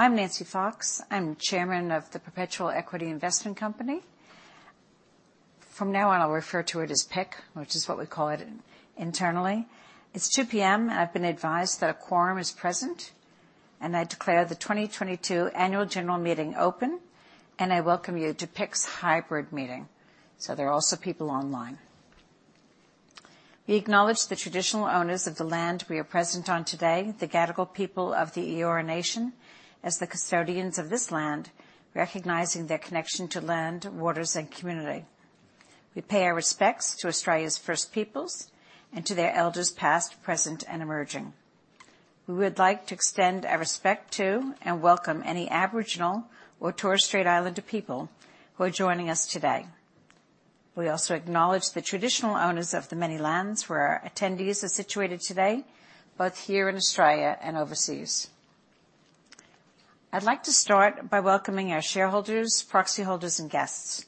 I'm Nancy Fox. I'm Chairman of the Perpetual Equity Investment Company. From now on, I'll refer to it as PEC, which is what we call it internally. It's 2:00 P.M., and I've been advised that a quorum is present, and I declare the 2022 annual general meeting open, and I welcome you to PEC's hybrid meeting. There are also people online. We acknowledge the traditional owners of the land we are present on today, the Gadigal people of the Eora Nation, as the custodians of this land, recognizing their connection to land, waters, and community. We pay our respects to Australia's first peoples and to their elders past, present, and emerging. We would like to extend our respect to and welcome any Aboriginal or Torres Strait Islander people who are joining us today. We also acknowledge the traditional owners of the many lands where our attendees are situated today, both here in Australia and overseas. I'd like to start by welcoming our shareholders, proxy holders, and guests.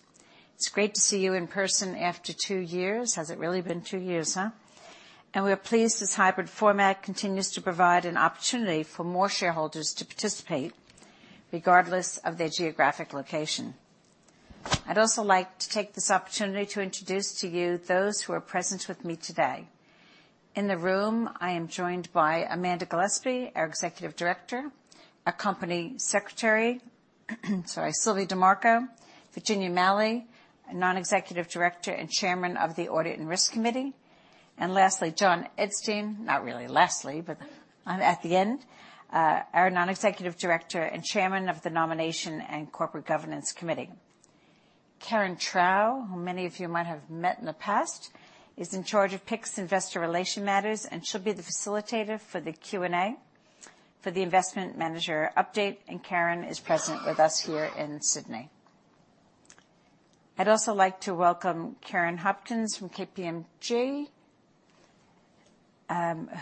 It's great to see you in person after two years. Has it really been two years, huh? We are pleased this hybrid format continues to provide an opportunity for more shareholders to participate regardless of their geographic location. I'd also like to take this opportunity to introduce to you those who are present with me today. In the room, I am joined by Amanda Gillespie, our Executive Director, our Company Secretary, sorry, Sylvie Dimarco, Virginia Malley, a Non-Executive Director and Chairman of the Audit and Risk Committee, and lastly, John Edstein, not really lastly, but, at the end, our Non-Executive Director and Chairman of the Nomination and Corporate Governance Committee. Karen Trau, who many of you might have met in the past, is in charge of PIC's investor relation matters, and she'll be the facilitator for the Q&A for the investment manager update. Karen is present with us here in Sydney. I'd also like to welcome Karen Hopkins from KPMG,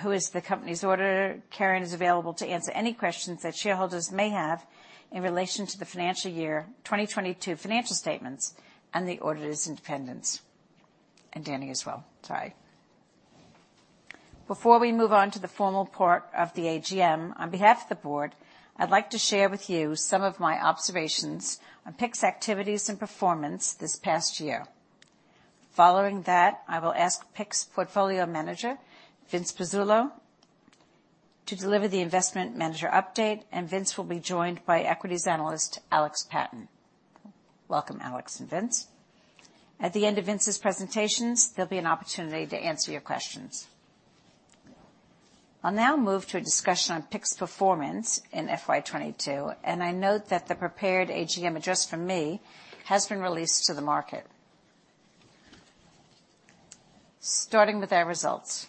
who is the company's auditor. Karen is available to answer any questions that shareholders may have in relation to the financial year 2022 financial statements and the auditor's independence. Danny as well. Sorry. Before we move on to the formal part of the AGM, on behalf of the board, I'd like to share with you some of my observations on PIC's activities and performance this past year. Following that, I will ask PIC's portfolio manager, Vince Pezzullo, to deliver the investment manager update, and Vince will be joined by equities analyst Alex Patten. Welcome, Alex and Vince. At the end of Vince's presentations, there'll be an opportunity to answer your questions. I'll now move to a discussion on PIC's performance in FY 2022, and I note that the prepared AGM address from me has been released to the market. Starting with our results.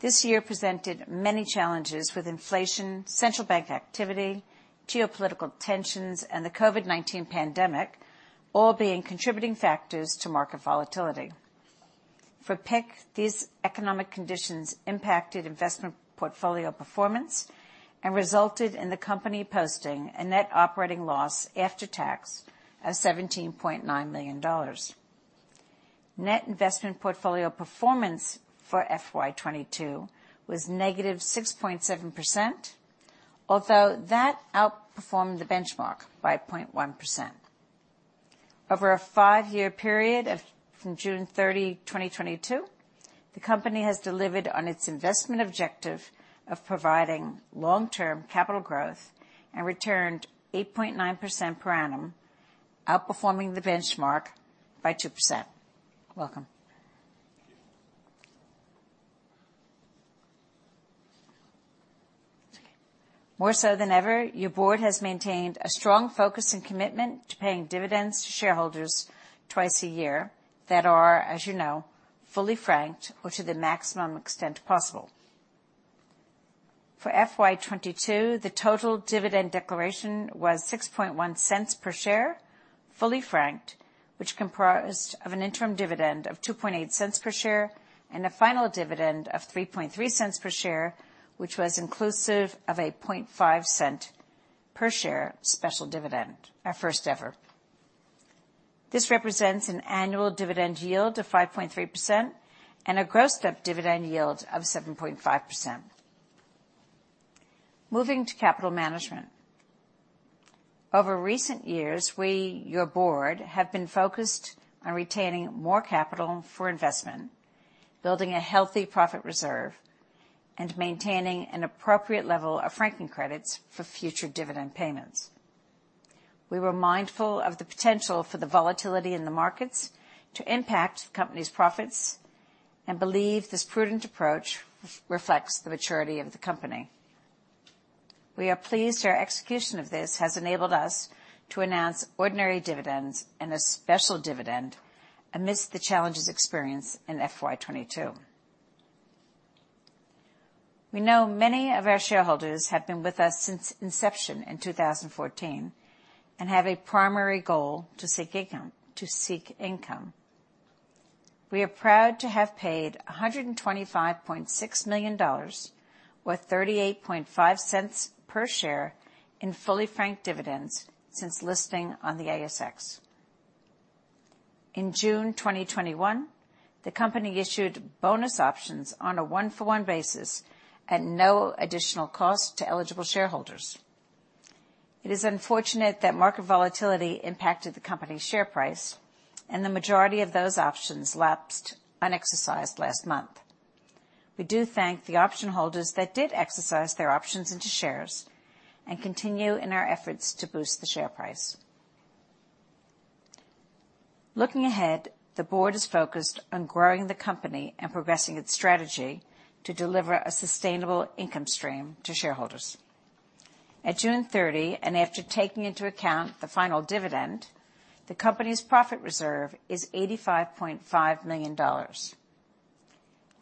This year presented many challenges with inflation, central bank activity, geopolitical tensions, and the COVID-19 pandemic all being contributing factors to market volatility. For PIC, these economic conditions impacted investment portfolio performance and resulted in the company posting a net operating loss after tax of 17.9 million dollars. Net investment portfolio performance for FY 2022 was -6.7%, although that outperformed the benchmark by 0.1%. Over a five-year period of... From June 30, 2022, the company has delivered on its investment objective of providing long-term capital growth and returned 8.9% per annum, outperforming the benchmark by 2%. Welcome. More so than ever, your board has maintained a strong focus and commitment to paying dividends to shareholders twice a year that are, as you know, fully franked or to the maximum extent possible. For FY 2022, the total dividend declaration was 6.01 Per share, fully franked, which comprised of an interim dividend of 2.8 per share and a final dividend of 3.3 per share, which was inclusive of a 0.5 per share special dividend. Our first ever. This represents an annual dividend yield of 5.3% and a grossed-up dividend yield of 7.5%. Moving to capital management. Over recent years, we, your board, have been focused on retaining more capital for investment, building a healthy profit reserve, and maintaining an appropriate level of franking credits for future dividend payments. We were mindful of the potential for the volatility in the markets to impact the company's profits and believe this prudent approach reflects the maturity of the company. We are pleased our execution of this has enabled us to announce ordinary dividends and a special dividend amidst the challenges experienced in FY 22. We know many of our shareholders have been with us since inception in 2014 and have a primary goal to seek income. We are proud to have paid 125.6 million dollars or 38.5 per share in fully franked dividends since listing on the ASX. In June 2021, the company issued bonus options on a 1-for-1 basis at no additional cost to eligible shareholders. It is unfortunate that market volatility impacted the company's share price, and the majority of those options lapsed unexercised last month. We do thank the option holders that did exercise their options into shares and continue in our efforts to boost the share price. Looking ahead, the board is focused on growing the company and progressing its strategy to deliver a sustainable income stream to shareholders. At June 30, and after taking into account the final dividend, the company's profit reserve is 85.5 million dollars.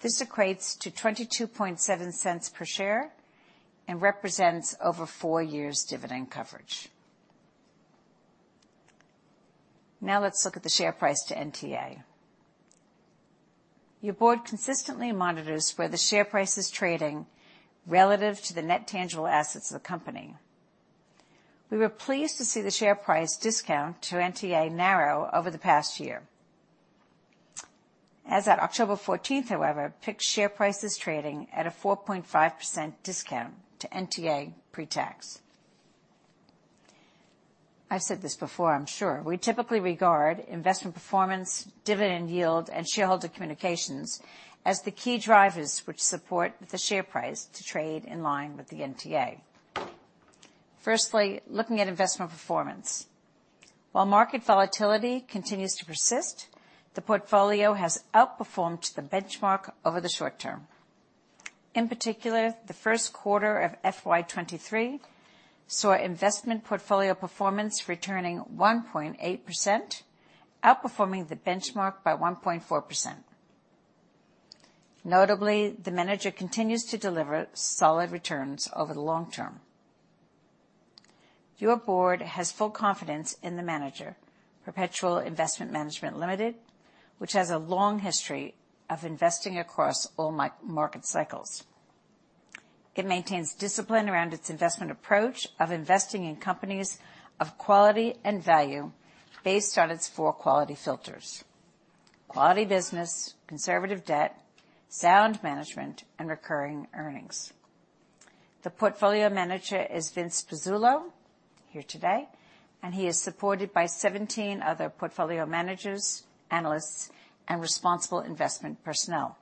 This equates to 0.227 per share and represents over four years' dividend coverage. Now let's look at the share price to NTA. Your board consistently monitors where the share price is trading relative to the net tangible assets of the company. We were pleased to see the share price discount to NTA narrow over the past year. As at October 14th, however, PIC's share price is trading at a 4.5% discount to NTA pre-tax. I've said this before, I'm sure, we typically regard investment performance, dividend yield, and shareholder communications as the key drivers which support the share price to trade in line with the NTA. Firstly, looking at investment performance. While market volatility continues to persist, the portfolio has outperformed the benchmark over the short term. In particular, the first quarter of FY 2023 saw investment portfolio performance returning 1.8%, outperforming the benchmark by 1.4%. Notably, the manager continues to deliver solid returns over the long term. Your board has full confidence in the manager, Perpetual Investment Management Limited, which has a long history of investing across all market cycles. It maintains discipline around its investment approach of investing in companies of quality and value based on its four quality filters, quality business, conservative debt, sound management, and recurring earnings. The portfolio manager is Vince Pezzullo, here today, and he is supported by 17 other portfolio managers, analysts, and responsible investment personnel.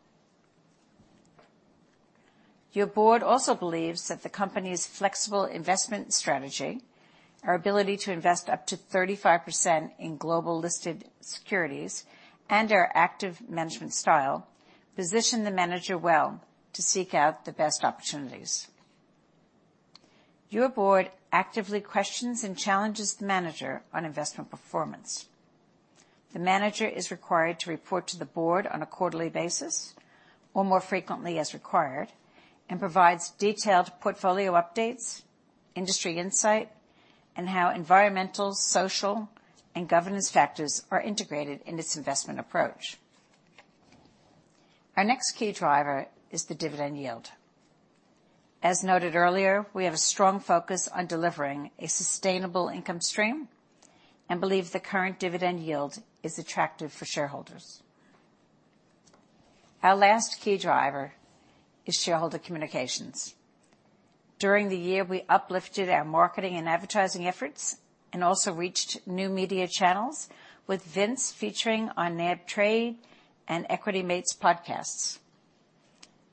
Your board also believes that the company's flexible investment strategy, our ability to invest up to 35% in global listed securities, and our active management style position the manager well to seek out the best opportunities. Your board actively questions and challenges the manager on investment performance. The manager is required to report to the board on a quarterly basis or more frequently as required, and provides detailed portfolio updates, industry insight, and how environmental, social, and governance factors are integrated in its investment approach. Our next key driver is the dividend yield. As noted earlier, we have a strong focus on delivering a sustainable income stream and believe the current dividend yield is attractive for shareholders. Our last key driver is shareholder communications. During the year, we uplifted our marketing and advertising efforts and also reached new media channels with Vince featuring on nabtrade and Equity Mates podcasts.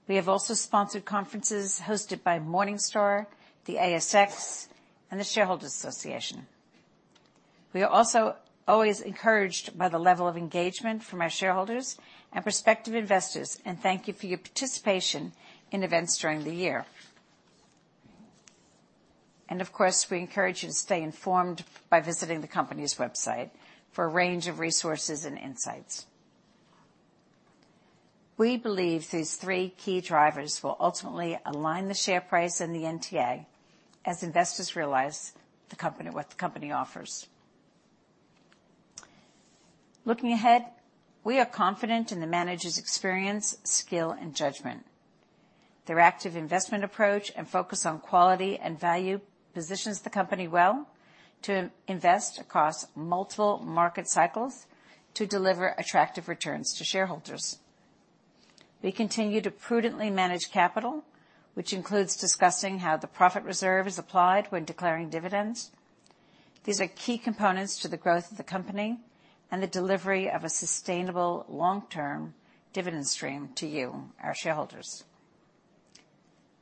We have also sponsored conferences hosted by Morningstar, the ASX, and the Australian Shareholders' Association. We are also always encouraged by the level of engagement from our shareholders and prospective investors, and thank you for your participation in events during the year. Of course, we encourage you to stay informed by visiting the company's website for a range of resources and insights. We believe these three key drivers will ultimately align the share price and the NTA as investors realize what the company offers. Looking ahead, we are confident in the manager's experience, skill, and judgment. Their active investment approach and focus on quality and value positions the company well to invest across multiple market cycles to deliver attractive returns to shareholders. We continue to prudently manage capital, which includes discussing how the profit reserve is applied when declaring dividends. These are key components to the growth of the company and the delivery of a sustainable long-term dividend stream to you, our shareholders.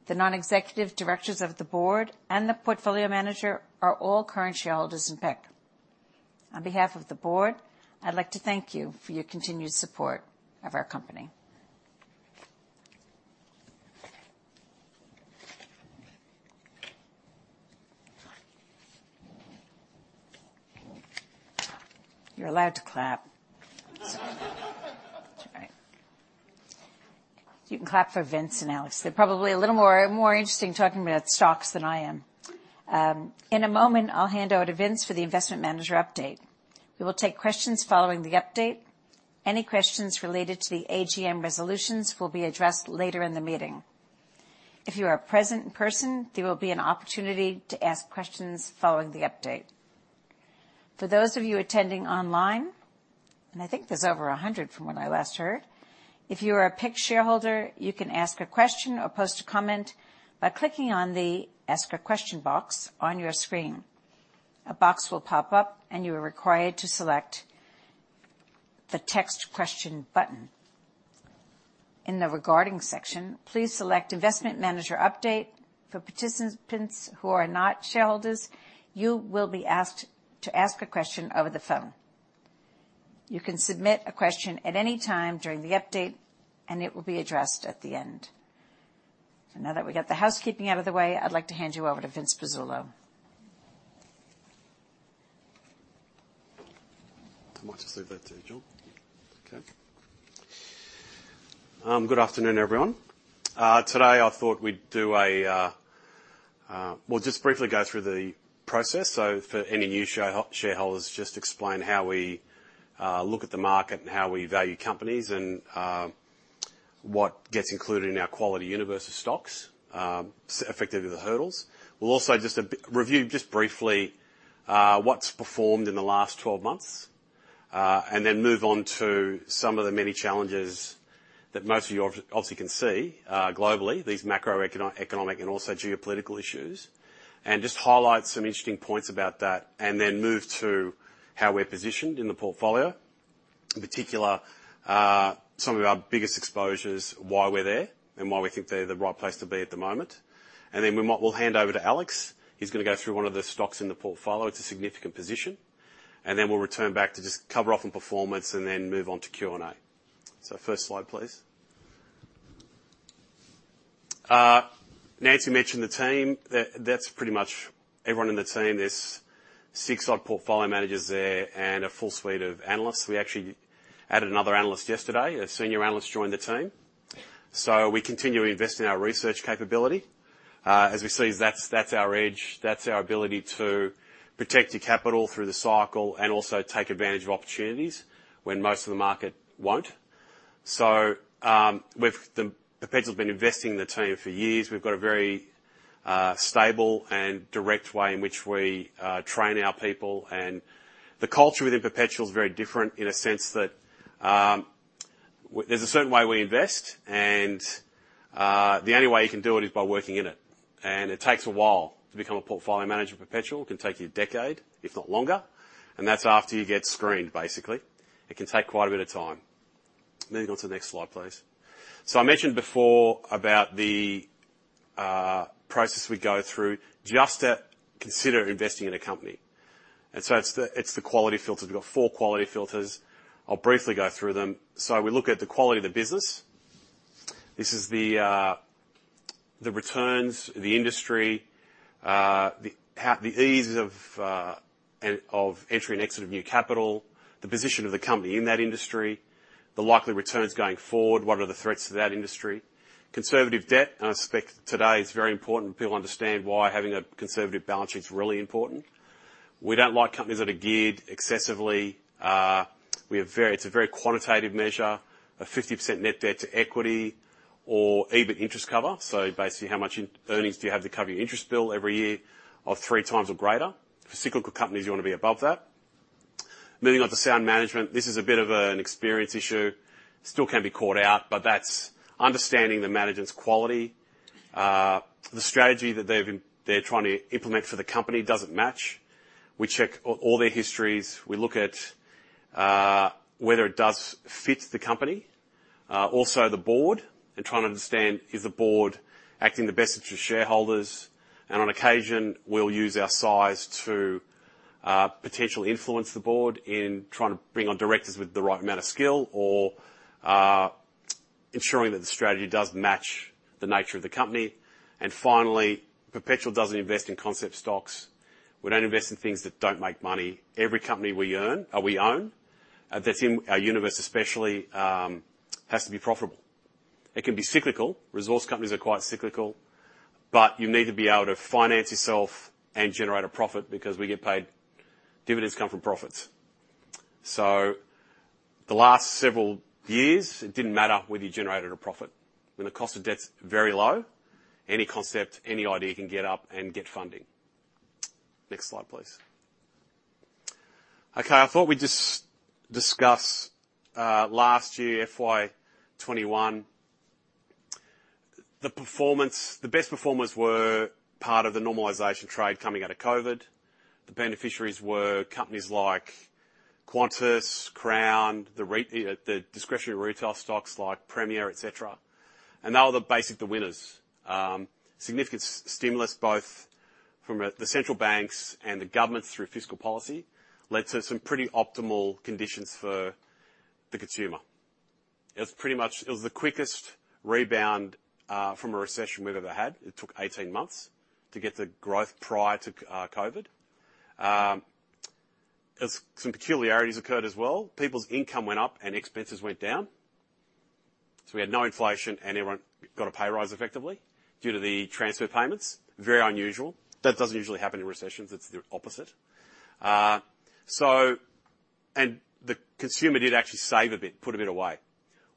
The non-executive directors of the board and the portfolio manager are all current shareholders in PIC. On behalf of the board, I'd like to thank you for your continued support of our company. You're allowed to clap. It's all right. You can clap for Vince and Alex. They're probably a little more interesting talking about stocks than I am. In a moment, I'll hand over to Vince for the investment manager update. We will take questions following the update. Any questions related to the AGM resolutions will be addressed later in the meeting. If you are present in person, there will be an opportunity to ask questions following the update. For those of you attending online, and I think there's over 100 from when I last heard, if you are a PIC shareholder, you can ask a question or post a comment by clicking on the Ask a Question box on your screen. A box will pop up, and you are required to select the Text Question button. In the Regarding section, please select Investment Manager Update. For participants who are not shareholders, you will be asked to ask a question over the phone. You can submit a question at any time during the update, and it will be addressed at the end. Now that we got the housekeeping out of the way, I'd like to hand you over to Vince Pezzullo. I might just leave that to you, John. Okay. Good afternoon, everyone. Today I thought we'd We'll just briefly go through the process. For any new shareholders, just explain how we look at the market and how we value companies and what gets included in our quality universe of stocks, so effectively the hurdles. We'll also just review just briefly what's performed in the last 12 months and then move on to some of the many challenges that most of you obviously can see globally, these macroeconomic and also geopolitical issues, and just highlight some interesting points about that and then move to how we're positioned in the portfolio. In particular, some of our biggest exposures, why we're there and why we think they're the right place to be at the moment. We'll hand over to Alex, who's gonna go through one of the stocks in the portfolio. It's a significant position. We'll return back to just cover off on performance and then move on to Q&A. First slide, please. Nancy mentioned the team. That's pretty much everyone in the team. There's six or so portfolio managers there and a full suite of analysts. We actually added another analyst yesterday. A senior analyst joined the team. We continue to invest in our research capability. As we've seen, that's our edge. That's our ability to protect your capital through the cycle and also take advantage of opportunities when most of the market won't. Perpetual's been investing in the team for years. We've got a very stable and direct way in which we train our people. The culture within Perpetual is very different in a sense that, there's a certain way we invest, and, the only way you can do it is by working in it. It takes a while to become a portfolio manager at Perpetual. It can take you a decade, if not longer, and that's after you get screened, basically. It can take quite a bit of time. Moving on to the next slide, please. I mentioned before about the process we go through just to consider investing in a company. It's the quality filters. We've got four quality filters. I'll briefly go through them. We look at the quality of the business. This is the returns, the industry, the ease of entry and exit of new capital, the position of the company in that industry, the likely returns going forward, what are the threats to that industry. Conservative debt, and I suspect today it's very important people understand why having a conservative balance sheet is really important. We don't like companies that are geared excessively. It's a very quantitative measure of 50% net debt to equity or EBIT interest cover. Basically, how much in earnings do you have to cover your interest bill every year of 3x or greater? For cyclical companies, you wanna be above that. Moving on to sound management, this is a bit of an experience issue. Still can be caught out, but that's understanding the management's quality. The strategy that they're trying to implement for the company doesn't match. We check all their histories. We look at whether it does fit the company, also the board and trying to understand is the board acting in the best interest of shareholders. On occasion, we'll use our size to potentially influence the board in trying to bring on directors with the right amount of skill or ensuring that the strategy does match the nature of the company. Finally, Perpetual doesn't invest in concept stocks. We don't invest in things that don't make money. Every company we own that's in our universe especially has to be profitable. It can be cyclical. Resource companies are quite cyclical, but you need to be able to finance yourself and generate a profit because we get paid. Dividends come from profits. The last several years, it didn't matter whether you generated a profit. When the cost of debt's very low, any concept, any idea can get up and get funding. Next slide, please. Okay. I thought we'd just discuss last year, FY 2021. The performance, the best performers were part of the normalization trade coming out of COVID. The beneficiaries were companies like Qantas, Crown, the discretionary retail stocks like Premier, et cetera. They were the winners. Significant stimulus, both from the central banks and the government through fiscal policy, led to some pretty optimal conditions for the consumer. It was the quickest rebound from a recession we've ever had. It took 18 months to get the growth prior to COVID. As some peculiarities occurred as well, people's income went up and expenses went down. We had no inflation and everyone got a pay raise effectively due to the transfer payments. Very unusual. That doesn't usually happen in recessions. It's the opposite. The consumer did actually save a bit, put a bit away.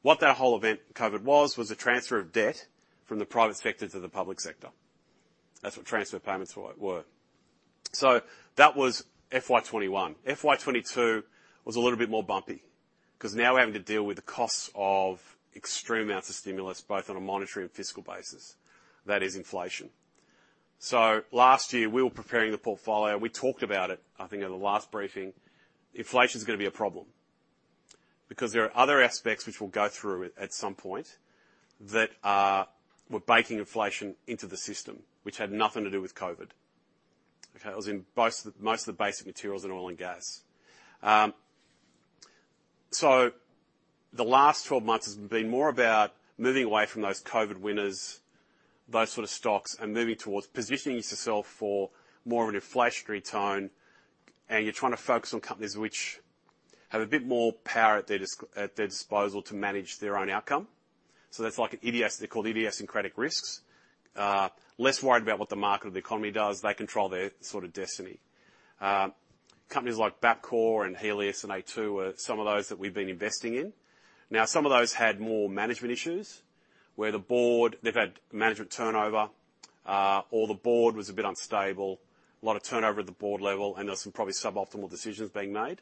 What that whole event COVID was a transfer of debt from the private sector to the public sector. That's what transfer payments were. That was FY 2021. FY 2022 was a little bit more bumpy because now we're having to deal with the costs of extreme amounts of stimulus, both on a monetary and fiscal basis. That is inflation. Last year, we were preparing the portfolio. We talked about it, I think, at the last briefing. Inflation is gonna be a problem because there are other aspects which we'll go through at some point that were baking inflation into the system, which had nothing to do with COVID. Okay. It was in most of the basic materials in oil and gas. The last 12 months has been more about moving away from those COVID winners, those sort of stocks, and moving towards positioning yourself for more of an inflationary tone. You're trying to focus on companies which have a bit more power at their disposal to manage their own outcome. That's like an idio-- They're called idiosyncratic risks. Less worried about what the market or the economy does. They control their sort of destiny. Companies like Bapcor and Healius and A2 are some of those that we've been investing in. Now, some of those had more management issues, where the board, they've had management turnover, or the board was a bit unstable, a lot of turnover at the board level, and there were some probably suboptimal decisions being made.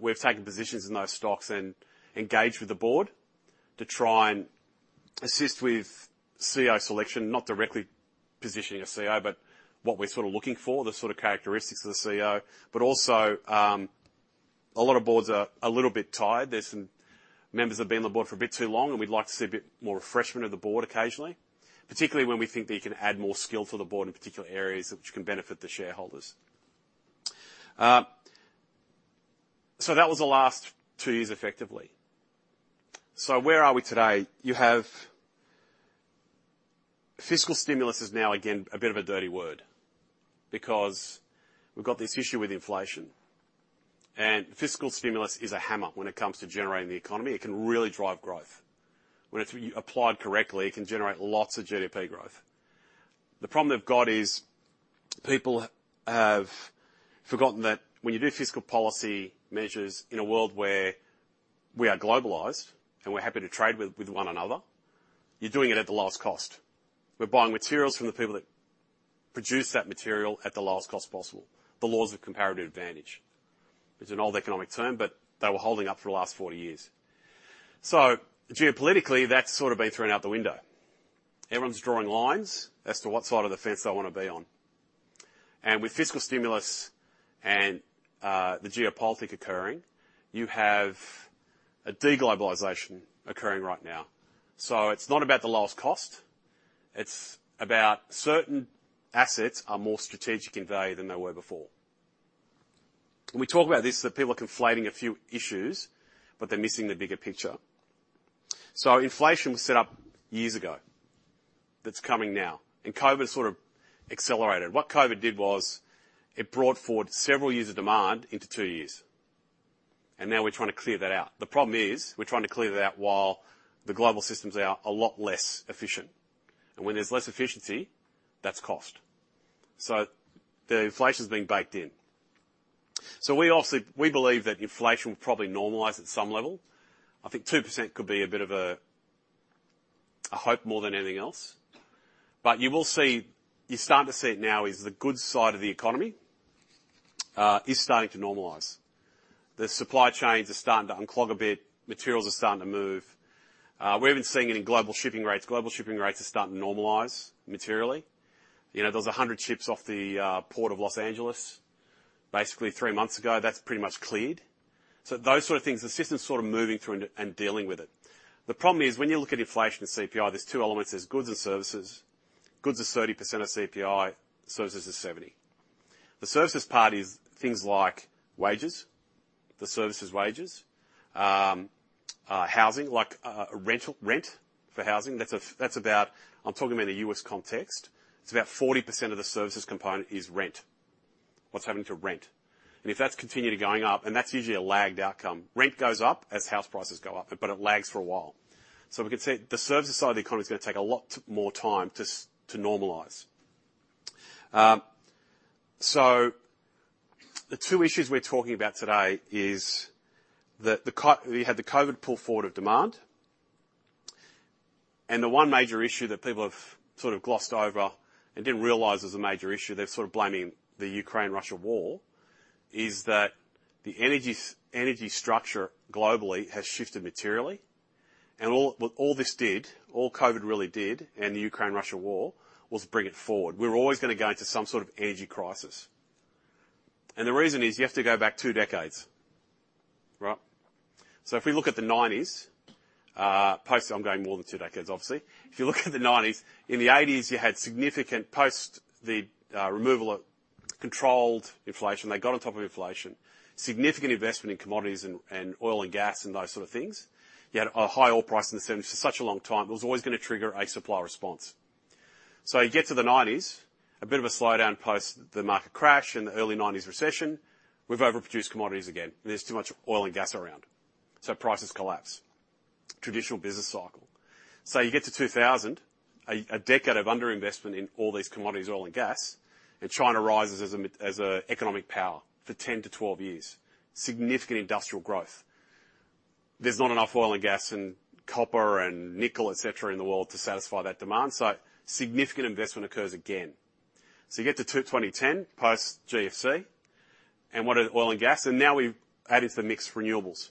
We've taken positions in those stocks and engaged with the board to try and assist with CEO selection, not directly positioning a CEO, but what we're sort of looking for, the sort of characteristics of the CEO. A lot of boards are a little bit tired. There's some members that have been on the board for a bit too long, and we'd like to see a bit more refreshment of the board occasionally, particularly when we think they can add more skill to the board in particular areas which can benefit the shareholders. That was the last two years, effectively. Where are we today? Fiscal stimulus is now again a bit of a dirty word because we've got this issue with inflation. Fiscal stimulus is a hammer when it comes to generating the economy. It can really drive growth. When it's applied correctly, it can generate lots of GDP growth. The problem they've got is people have forgotten that when you do fiscal policy measures in a world where we are globalized and we're happy to trade with one another, you're doing it at the lowest cost. We're buying materials from the people that produce that material at the lowest cost possible. The laws of comparative advantage. It's an old economic term, but they were holding up for the last 40 years. Geopolitically, that's sort of been thrown out the window. Everyone's drawing lines as to what side of the fence they wanna be on. With fiscal stimulus and the geopolitics occurring, you have a deglobalization occurring right now. It's not about the lowest cost. It's about certain assets are more strategic in value than they were before. We talk about this, that people are conflating a few issues, but they're missing the bigger picture. Inflation was set up years ago. That's coming now. COVID sort of accelerated. What COVID did was it brought forward several years of demand into two years, and now we're trying to clear that out. The problem is, we're trying to clear that out while the global systems are a lot less efficient. When there's less efficiency, that's cost. The inflation's been baked in. We obviously believe that inflation will probably normalize at some level. I think 2% could be a bit of a hope more than anything else. You will see, you're starting to see it now, is the good side of the economy is starting to normalize. The supply chains are starting to unclog a bit. Materials are starting to move. We haven't seen any global shipping rates. Global shipping rates are starting to normalize materially. You know, there was 100 ships off the Port of Los Angeles basically three months ago. That's pretty much cleared. Those sort of things, the system's sort of moving through and dealing with it. The problem is, when you look at inflation and CPI, there's two elements. There's goods and services. Goods are 30% of CPI, services is 70%. The services part is things like wages. The service is wages. Housing, like, rental, rent for housing. That's about. I'm talking about in the US context. It's about 40% of the services component is rent. What's happening to rent? If that's continuing going up, and that's usually a lagged outcome. Rent goes up as house prices go up, but it lags for a while. We can see the services side of the economy is gonna take a lot more time to normalize. The two issues we're talking about today is that you had the COVID pull forward of demand, and the one major issue that people have sort of glossed over and didn't realize was a major issue, they're sort of blaming the Ukraine-Russia war, is that the energy structure globally has shifted materially. Well, all this did, all COVID-19 really did, and the Ukraine-Russia war, was bring it forward. We were always gonna go into some sort of energy crisis. The reason is you have to go back two decades, right? If we look at the 1990s, I'm going more than two decades, obviously. If you look at the 1990s, in the 1980s, you had significant post the removal of controlled inflation. They got on top of inflation. Significant investment in commodities and oil and gas and those sort of things. You had a high oil price in the 1970s for such a long time. It was always gonna trigger a supply response. You get to the 1990s, a bit of a slowdown post the market crash and the early 1990s recession. We've overproduced commodities again, and there's too much oil and gas around, so prices collapse. Traditional business cycle. You get to 2000, a decade of underinvestment in all these commodities, oil and gas, and China rises as an economic power for 10-12 years. Significant industrial growth. There's not enough oil and gas and copper and nickel, etc., in the world to satisfy that demand, so significant investment occurs again. You get to 2010 post GFC, and what are the oil and gas? Now we've added a mix of renewables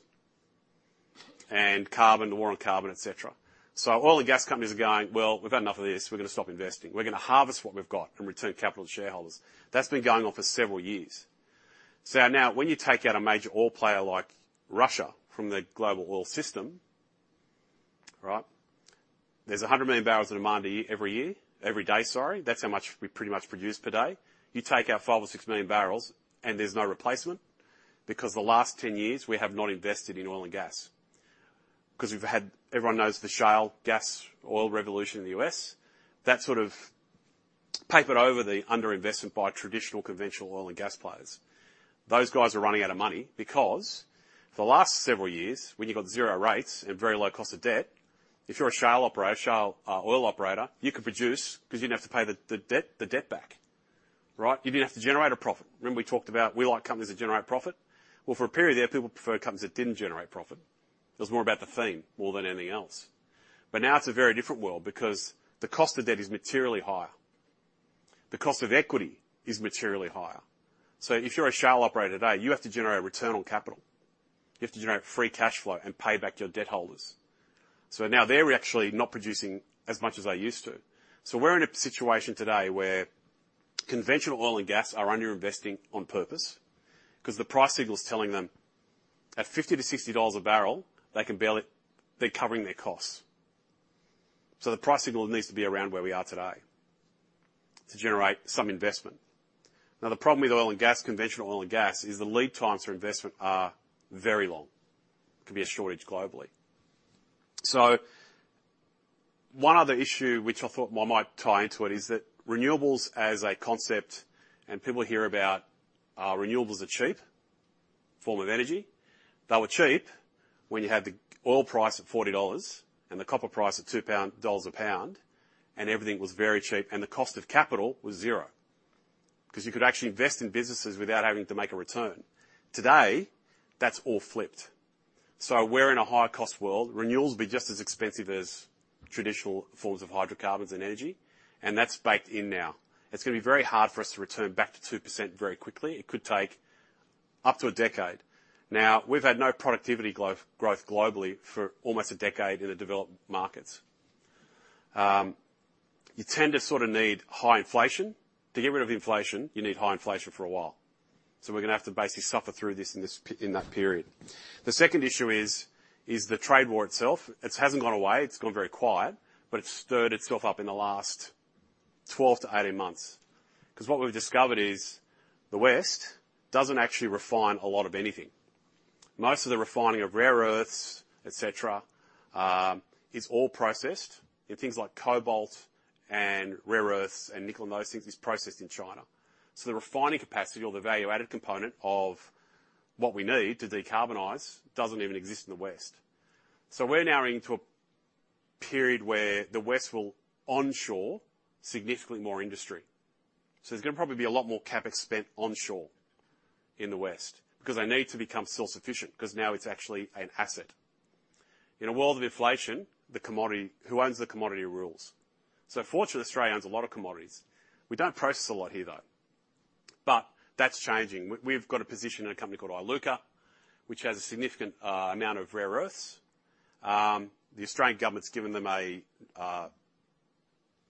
and carbon, war on carbon, etc. Oil and gas companies are going, "Well, we've had enough of this. We're gonna stop investing. We're gonna harvest what we've got and return capital to shareholders." That's been going on for several years. Now when you take out a major oil player like Russia from the global oil system, right? There's 100 million barrels in demand every day, sorry. That's how much we pretty much produce per day. You take out 5 or 6 million barrels, and there's no replacement because the last 10 years we have not invested in oil and gas. 'Cause everyone knows the shale gas oil revolution in the U.S., that sort of papered over the under-investment by traditional conventional oil and gas players. Those guys are running outta money because for the last several years, when you've got zero rates and very low cost of debt, if you're a shale operator, shale oil operator, you could produce 'cause you didn't have to pay the debt back, right? You didn't have to generate a profit. Remember we talked about we like companies that generate profit? Well, for a period there, people preferred companies that didn't generate profit. It was more about the theme more than anything else. Now it's a very different world because the cost of debt is materially higher. The cost of equity is materially higher. If you're a shale operator today, you have to generate return on capital. You have to generate free cash flow and pay back your debt holders. Now they're actually not producing as much as they used to. We're in a situation today where conventional oil and gas are underinvesting on purpose 'cause the price signal's telling them at $50-$60 a barrel, they can barely. They're covering their costs. The price signal needs to be around where we are today to generate some investment. Now, the problem with oil and gas, conventional oil and gas, is the lead times for investment are very long. It could be a shortage globally. One other issue which I thought one might tie into it is that renewables as a concept and people hear about renewables are cheap form of energy. They were cheap when you had the oil price at $40 and the copper price at $2 a pound and everything was very cheap and the cost of capital was zero. 'Cause you could actually invest in businesses without having to make a return. Today, that's all flipped. We're in a higher cost world. Renewables will be just as expensive as traditional forms of hydrocarbons and energy, and that's baked in now. It's gonna be very hard for us to return back to 2% very quickly. It could take up to a decade. Now, we've had no productivity growth globally for almost a decade in the developed markets. You tend to sorta need high inflation. To get rid of inflation, you need high inflation for a while. We're gonna have to basically suffer through this in that period. The second issue is the trade war itself. It hasn't gone away. It's gone very quiet, but it's stirred itself up in the last 12-18 months. 'Cause what we've discovered is the West doesn't actually refine a lot of anything. Most of the refining of rare earths, et cetera, is all processed in things like cobalt and rare earths and nickel and those things is processed in China. The refining capacity or the value-added component of what we need to decarbonize doesn't even exist in the West. We're now into a period where the West will onshore significantly more industry. There's gonna probably be a lot more CapEx spent onshore in the West because they need to become self-sufficient, 'cause now it's actually an asset. In a world of inflation, the commodity, who owns the commodity rules. Fortunately, Australia owns a lot of commodities. We don't process a lot here, though, but that's changing. We've got a position in a company called Iluka, which has a significant amount of rare earths. The Australian government's given them a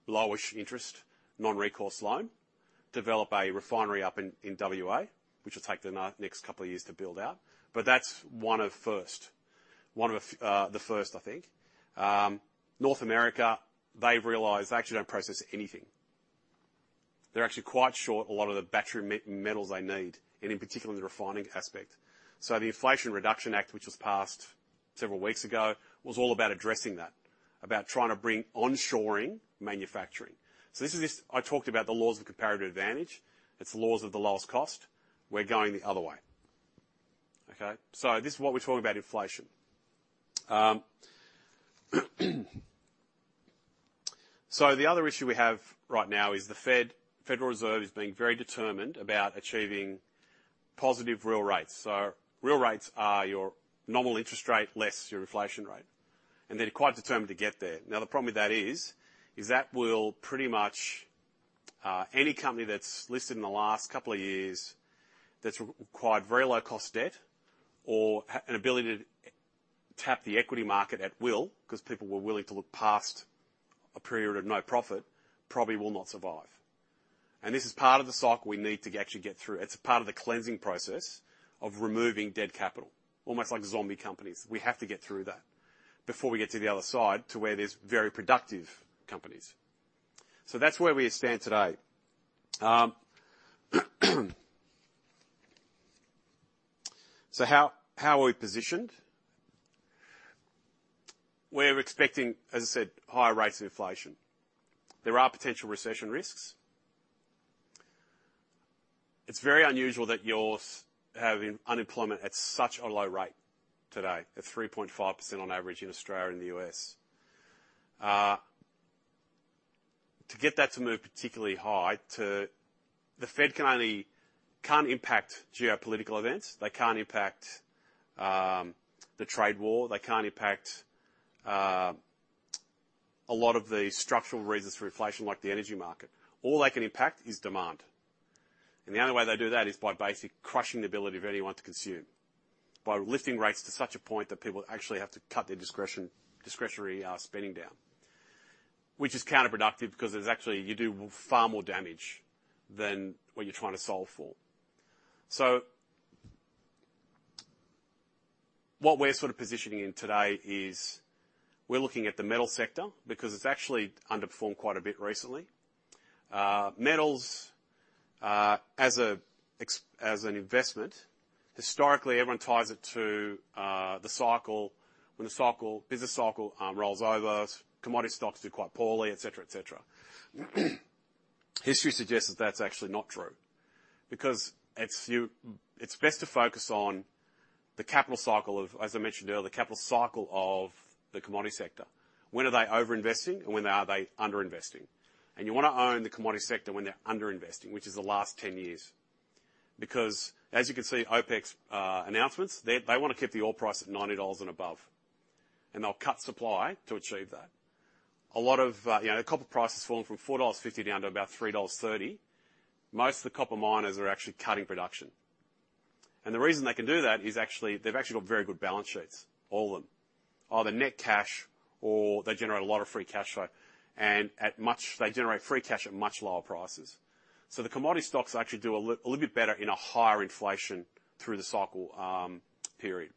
low-ish interest, non-recourse loan, develop a refinery up in WA, which will take them next couple of years to build out. That's one of the first, I think. North America, they've realized they actually don't process anything. They're actually quite short of a lot of the battery metals they need, and in particular in the refining aspect. The Inflation Reduction Act, which was passed several weeks ago, was all about addressing that, about trying to bring onshoring manufacturing. I talked about the laws of comparative advantage. It's the laws of the lowest cost. We're going the other way. This is what we're talking about inflation. The other issue we have right now is the Fed, Federal Reserve, is being very determined about achieving positive real rates. Real rates are your normal interest rate less your inflation rate, and they're quite determined to get there. Now, the problem with that is that will pretty much any company that's listed in the last couple of years that's required very low cost debt or an ability to tap the equity market at will, 'cause people were willing to look past a period of no profit, probably will not survive. This is part of the cycle we need to actually get through. It's part of the cleansing process of removing dead capital, almost like zombie companies. We have to get through that before we get to the other side to where there's very productive companies. That's where we stand today. How are we positioned? We're expecting, as I said, higher rates of inflation. There are potential recession risks. It's very unusual that you're having unemployment at such a low rate today, at 3.5% on average in Australia and the U.S. To get that to move particularly high, the Fed can't impact geopolitical events. They can't impact the trade war. They can't impact a lot of the structural reasons for inflation, like the energy market. All they can impact is demand. The only way they do that is by basically crushing the ability of anyone to consume, by lifting rates to such a point that people actually have to cut their discretionary spending down, which is counterproductive because actually you do far more damage than what you're trying to solve for. What we're sort of positioning in today is we're looking at the metal sector because it's actually underperformed quite a bit recently. Metals, as an investment, historically, everyone ties it to, the cycle. When the cycle, business cycle, rolls over, commodity stocks do quite poorly, et cetera, et cetera. History suggests that that's actually not true because it's best to focus on the capital cycle of, as I mentioned earlier, the capital cycle of the commodity sector. When are they over-investing, and when are they under-investing? You wanna own the commodity sector when they're under-investing, which is the last 10 years. Because as you can see, OPEC's announcements, they wanna keep the oil price at $90 and above, and they'll cut supply to achieve that. A lot of, you know, copper price has fallen from $4.50 down to about $3.30. Most of the copper miners are actually cutting production. The reason they can do that is actually they've actually got very good balance sheets, all of them. Either net cash or they generate a lot of free cash flow. They generate free cash at much lower prices. The commodity stocks actually do a little bit better in a higher inflation through the cycle, period.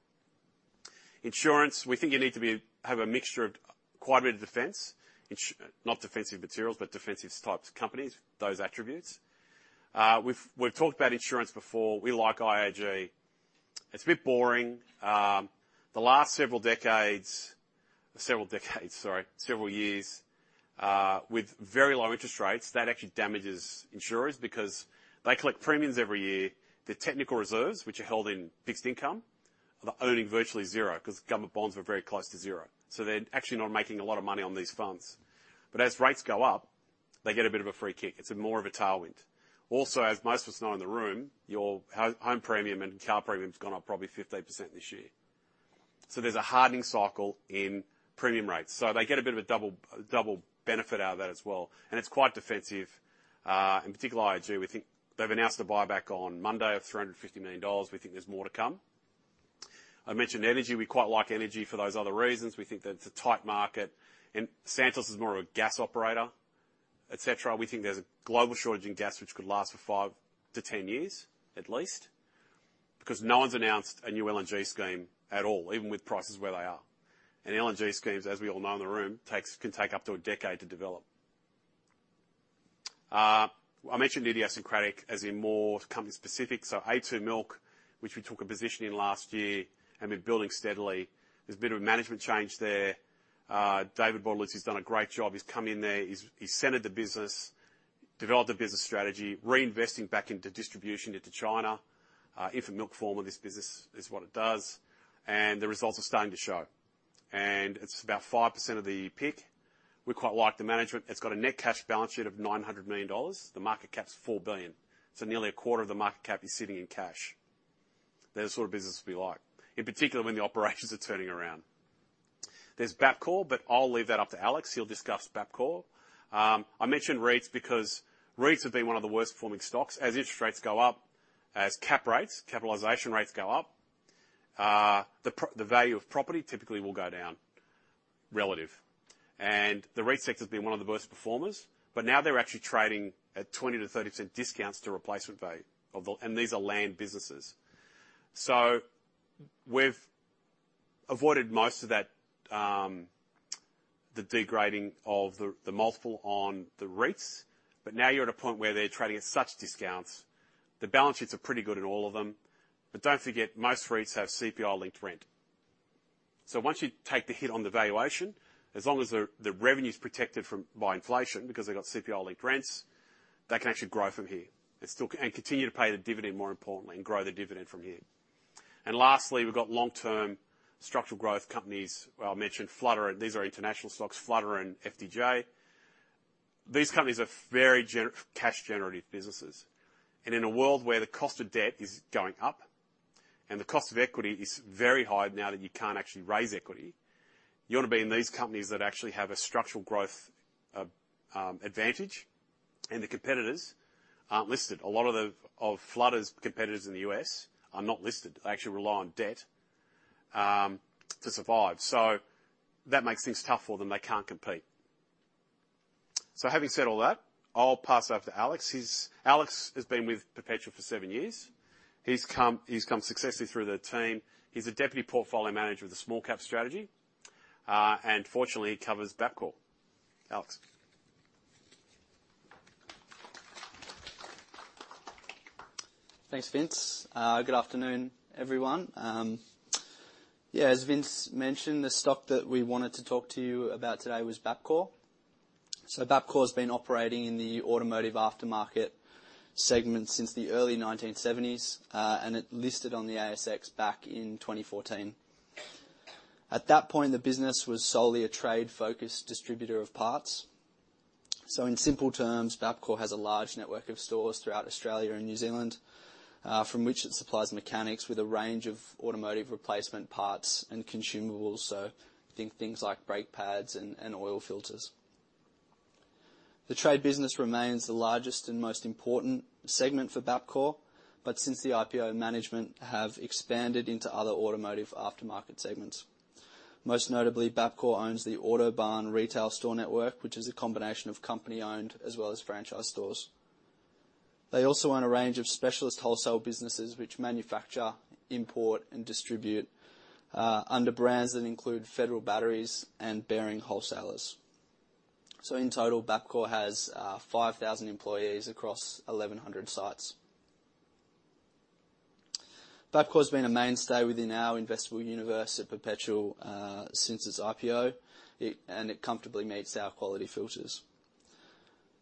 Insurance, we think you need to be, have a mixture of quite a bit of defense. Not defensive materials, but defensive types of companies, those attributes. We've talked about insurance before. We like IAG. It's a bit boring. The last several years with very low interest rates that actually damages insurers because they collect premiums every year. The technical reserves, which are held in fixed income, are earning virtually zero because government bonds are very close to zero. So they're actually not making a lot of money on these funds. But as rates go up, they get a bit of a free kick. It's more of a tailwind. Also, as most of us know in the room, your home premium and car premium's gone up probably 15% this year. So there's a hardening cycle in premium rates. So they get a bit of a double benefit out of that as well. It's quite defensive, in particular IAG. We think they've announced a buyback on Monday of 350 million dollars. We think there's more to come. I mentioned energy. We quite like energy for those other reasons. We think that it's a tight market. Santos is more of a gas operator, et cetera. We think there's a global shortage in gas which could last for 5-10 years, at least. Because no one's announced a new LNG scheme at all, even with prices where they are. LNG schemes, as we all know in the room, can take up to a decade to develop. I mentioned idiosyncratic as in more company-specific. a2 Milk, which we took a position in last year and been building steadily. There's a bit of a management change there. David Bortolussi, he's done a great job. He's come in there, he's centered the business, developed a business strategy, reinvesting back into distribution into China, infant milk formula, this business is what it does, and the results are starting to show. It's about 5% of the PIC. We quite like the management. It's got a net cash balance sheet of 900 million dollars. The market cap's 4 billion. So nearly a quarter of the market cap is sitting in cash. They're the sort of businesses we like, in particular when the operations are turning around. There's Bapcor, but I'll leave that up to Alex. He'll discuss Bapcor. I mentioned REITs because REITs have been one of the worst performing stocks. As interest rates go up, as cap rates, capitalization rates go up, the value of property typically will go down relative. The REIT sector's been one of the worst performers, but now they're actually trading at 20%-30% discounts to replacement value of the. These are land businesses. We've avoided most of that, the degrading of the multiple on the REITs, but now you're at a point where they're trading at such discounts. The balance sheets are pretty good in all of them. Don't forget, most REITs have CPI-linked rent. Once you take the hit on the valuation, as long as the revenue's protected by inflation because they've got CPI-linked rents, they can actually grow from here and still continue to pay the dividend more importantly, and grow the dividend from here. Lastly, we've got long-term structural growth companies. I mentioned Flutter, and these are international stocks, Flutter and FDJ. These companies are very cash generative businesses. In a world where the cost of debt is going up and the cost of equity is very high now that you can't actually raise equity, you wanna be in these companies that actually have a structural growth advantage and the competitors aren't listed. A lot of Flutter's competitors in the U.S. are not listed. They actually rely on debt to survive. That makes things tough for them. They can't compete. Having said all that, I'll pass over to Alex. Alex has been with Perpetual for seven years. He's come successfully through the team. He's a deputy portfolio manager of the small cap strategy, and fortunately, he covers Bapcor. Alex. Thanks, Vince. Good afternoon, everyone. Yeah, as Vince mentioned, the stock that we wanted to talk to you about today was Bapcor. Bapcor's been operating in the automotive aftermarket segment since the early 1970s, and it listed on the ASX back in 2014. At that point, the business was solely a trade-focused distributor of parts. In simple terms, Bapcor has a large network of stores throughout Australia and New Zealand, from which it supplies mechanics with a range of automotive replacement parts and consumables. Think things like brake pads and oil filters. The trade business remains the largest and most important segment for Bapcor, but since the IPO, management have expanded into other automotive aftermarket segments. Most notably, Bapcor owns the Autobarn retail store network, which is a combination of company-owned as well as franchise stores. They also own a range of specialist wholesale businesses which manufacture, import, and distribute under brands that include Federal Batteries and Bearing Wholesalers. In total, Bapcor has 5,000 employees across 1,100 sites. Bapcor's been a mainstay within our investable universe at Perpetual since its IPO. It comfortably meets our quality filters.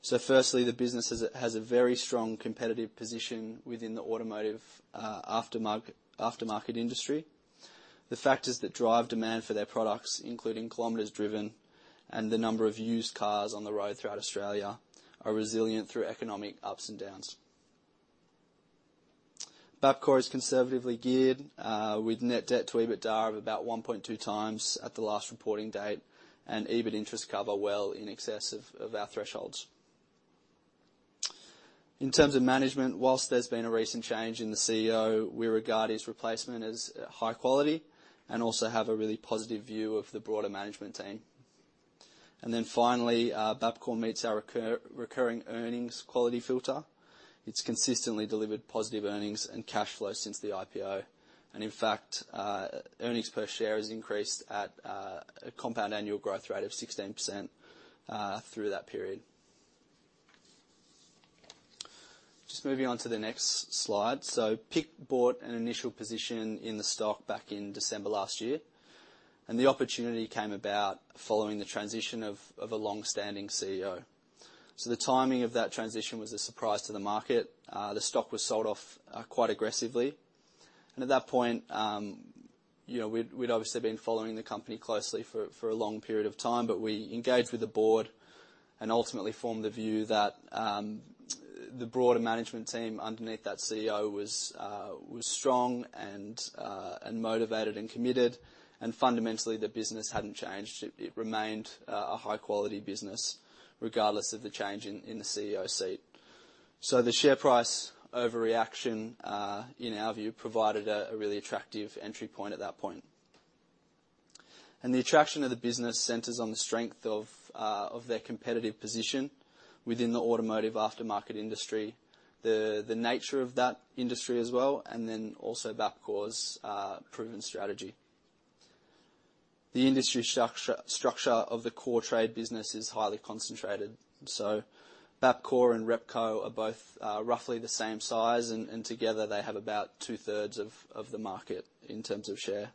Firstly, the business has a very strong competitive position within the automotive aftermarket industry. The factors that drive demand for their products, including kilometers driven and the number of used cars on the road throughout Australia, are resilient through economic ups and downs. Bapcor is conservatively geared with net debt to EBITDA of about 1.2 times at the last reporting date and EBIT interest cover well in excess of our thresholds. In terms of management, while there's been a recent change in the CEO, we regard his replacement as high quality and also have a really positive view of the broader management team. Bapcor meets our recurring earnings quality filter. It's consistently delivered positive earnings and cash flow since the IPO. In fact, earnings per share has increased at a compound annual growth rate of 16% through that period. Just moving on to the next slide. PIC bought an initial position in the stock back in December last year, and the opportunity came about following the transition of a long-standing CEO. The timing of that transition was a surprise to the market. The stock was sold off quite aggressively. At that point, you know, we'd obviously been following the company closely for a long period of time. We engaged with the board and ultimately formed the view that the broader management team underneath that CEO was strong and motivated and committed, and fundamentally, the business hadn't changed. It remained a high-quality business regardless of the change in the CEO seat. The share price overreaction, in our view, provided a really attractive entry point at that point. The attraction of the business centers on the strength of their competitive position within the automotive aftermarket industry, the nature of that industry as well, and then also Bapcor's proven strategy. The industry structure of the core trade business is highly concentrated, so Bapcor and Repco are both roughly the same size and together they have about two-thirds of the market in terms of share.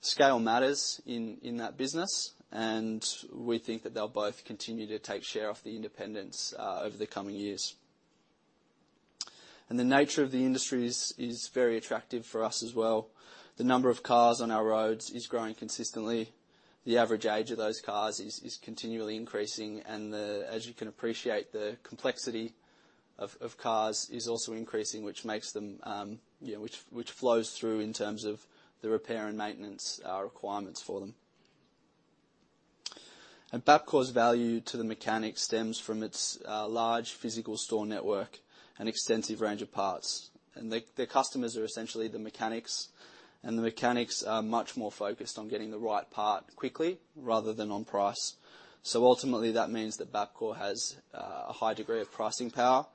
Scale matters in that business, and we think that they'll both continue to take share off the independents over the coming years. The nature of the industry is very attractive for us as well. The number of cars on our roads is growing consistently. The average age of those cars is continually increasing. As you can appreciate, the complexity of cars is also increasing, which makes them which flows through in terms of the repair and maintenance requirements for them. Bapcor's value to the mechanic stems from its large physical store network and extensive range of parts. Their customers are essentially the mechanics, and the mechanics are much more focused on getting the right part quickly rather than on price. Ultimately, that means that Bapcor has a high degree of pricing power,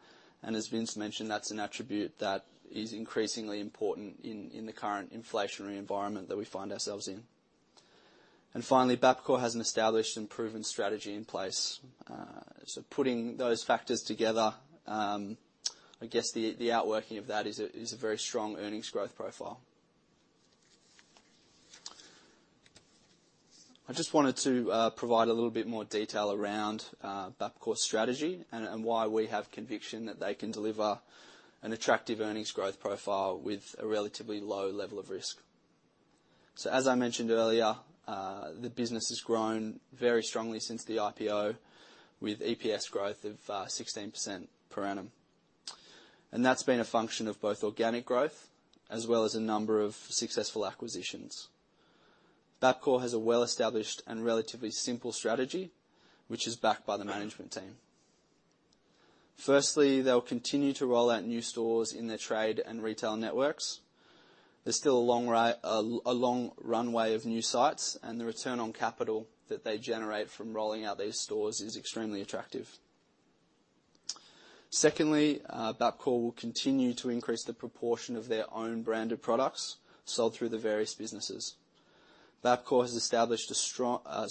and as Vince mentioned, that's an attribute that is increasingly important in the current inflationary environment that we find ourselves in. Finally, Bapcor has an established and proven strategy in place. Putting those factors together, I guess the outworking of that is a very strong earnings growth profile. I just wanted to provide a little bit more detail around Bapcor's strategy and why we have conviction that they can deliver an attractive earnings growth profile with a relatively low level of risk. As I mentioned earlier, the business has grown very strongly since the IPO with EPS growth of 16% per annum. That's been a function of both organic growth as well as a number of successful acquisitions. Bapcor has a well-established and relatively simple strategy, which is backed by the management team. Firstly, they'll continue to roll out new stores in their trade and retail networks. There's still a long runway of new sites, and the return on capital that they generate from rolling out these stores is extremely attractive. Secondly, Bapcor will continue to increase the proportion of their own branded products sold through the various businesses. Bapcor has established a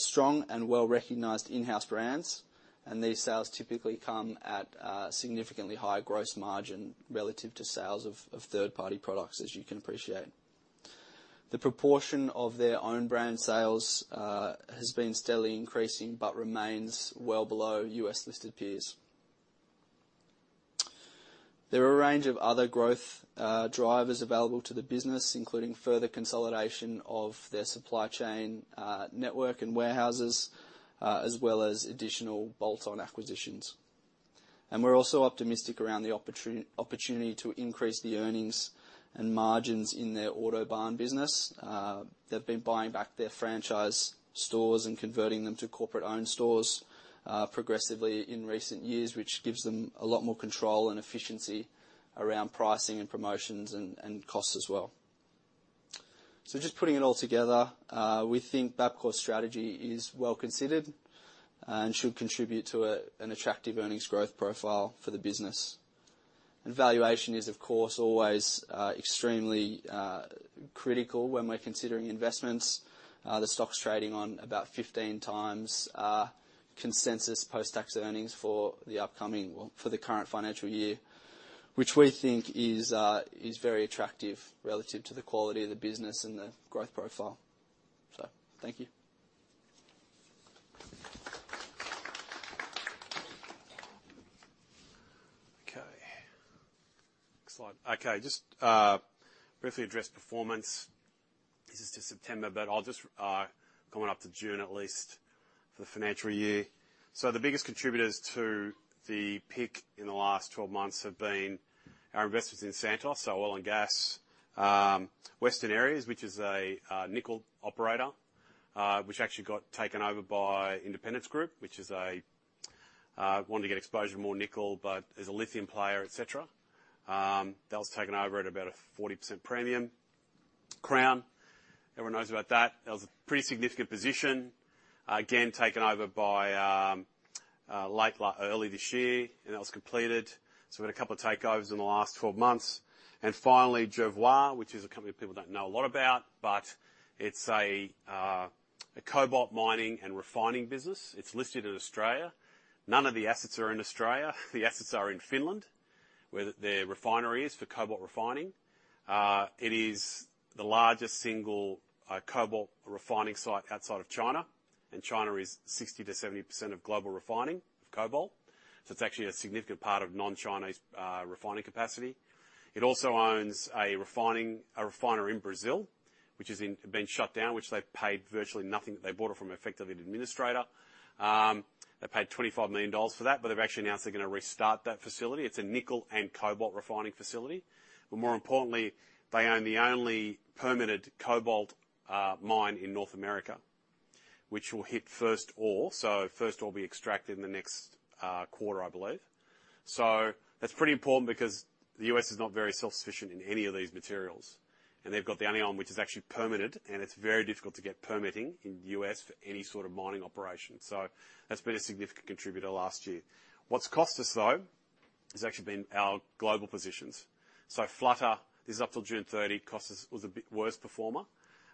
strong and well-recognized in-house brands, and these sales typically come at a significantly higher gross margin relative to sales of third-party products, as you can appreciate. The proportion of their own brand sales has been steadily increasing, but remains well below U.S. listed peers. There are a range of other growth drivers available to the business, including further consolidation of their supply chain network and warehouses, as well as additional bolt-on acquisitions. We're also optimistic around the opportunity to increase the earnings and margins in their Autobarn business. They've been buying back their franchise stores and converting them to corporate-owned stores progressively in recent years, which gives them a lot more control and efficiency around pricing and promotions and costs as well. Just putting it all together, we think Bapcor's strategy is well considered and should contribute to an attractive earnings growth profile for the business. Valuation is, of course, always extremely critical when we're considering investments. The stock's trading on about 15 times consensus post-tax earnings for the current financial year, which we think is very attractive relative to the quality of the business and the growth profile. Thank you. Okay. Next slide. Okay. Just briefly address performance. This is to September, but I'll just going up to June at least for the financial year. The biggest contributors to the PIC in the last 12 months have been our investments in Santos, so oil and gas. Western Areas, which is a nickel operator, which actually got taken over by Independence Group, which is a wanting to get exposure to more nickel but is a lithium player, et cetera. That was taken over at about a 40% premium. Crown, everyone knows about that. That was a pretty significant position, again taken over by early this year, and that was completed. We had a couple of takeovers in the last 12 months. Finally, Jervois, which is a company people don't know a lot about, but it's a cobalt mining and refining business. It's listed in Australia. None of the assets are in Australia. The assets are in Finland, where their refinery is for cobalt refining. It is the largest single cobalt refining site outside of China, and China is 60%-70% of global refining of cobalt. It's actually a significant part of non-Chinese refining capacity. It also owns a refiner in Brazil, which has been shut down, which they've paid virtually nothing, that they bought it from effectively an administrator. They paid 25 million dollars for that, but they've actually announced they're gonna restart that facility. It's a nickel and cobalt refining facility. More importantly, they own the only permitted cobalt mine in North America, which will hit first ore, so first ore will be extracted in the next quarter, I believe. That's pretty important because the U.S. is not very self-sufficient in any of these materials, and they've got the only one which is actually permitted, and it's very difficult to get permitting in the U.S. for any sort of mining operation. That's been a significant contributor the last year. What's cost us though has actually been our global positions. Flutter, this is up till June 30, cost us was the worst performer.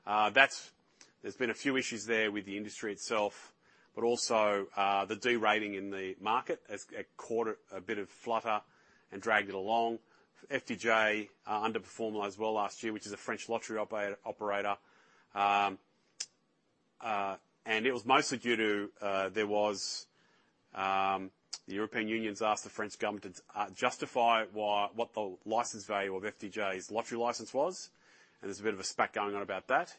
That's. There's been a few issues there with the industry itself, but also, the de-rating in the market has caught a bit of Flutter and dragged it along. FDJ underperformed as well last year, which is a French lottery operator. It was mostly due to the European Union has asked the French government to justify what the license value of FDJ's lottery license was, and there's a bit of a spat going on about that.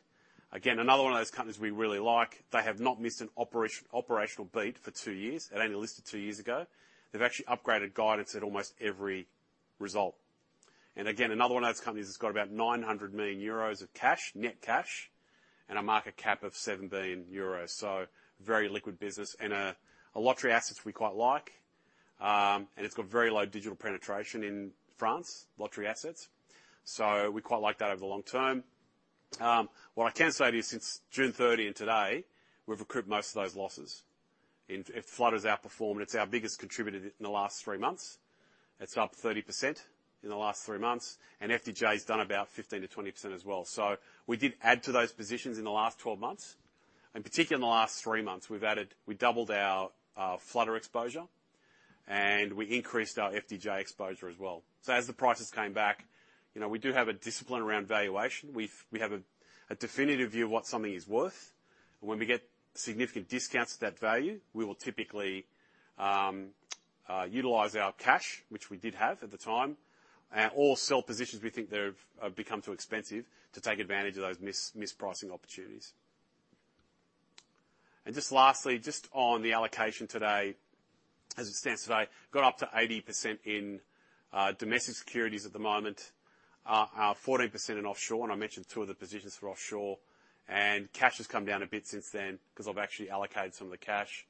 Another one of those companies we really like. They have not missed an operational beat for two years. It only listed two years ago. They've actually upgraded guidance at almost every result. Again, another one of those companies that's got about 900 million euros of cash, net cash, and a market cap of 17 billion euros. Very liquid business and a lottery asset we quite like. It's got very low digital penetration in France, lottery asset. We quite like that over the long term. What I can say to you, since June 30 and today, we've recouped most of those losses. Flutter's outperformed, and it's our biggest contributor in the last three months. It's up 30% in the last three months, and FDJ's done about 15%-20% as well. We did add to those positions in the last 12 months, and particularly in the last three months, we've doubled our Flutter exposure, and we increased our FDJ exposure as well. As the prices came back, you know, we do have a discipline around valuation. We have a definitive view of what something is worth, and when we get significant discounts to that value, we will typically utilize our cash, which we did have at the time, or sell positions we think that have become too expensive to take advantage of those mispricing opportunities. Just lastly, just on the allocation today, as it stands today, got up to 80% in domestic securities at the moment. Fourteen percent in offshore, and I mentioned two of the positions for offshore. Cash has come down a bit since then 'cause I've actually allocated some of the cash.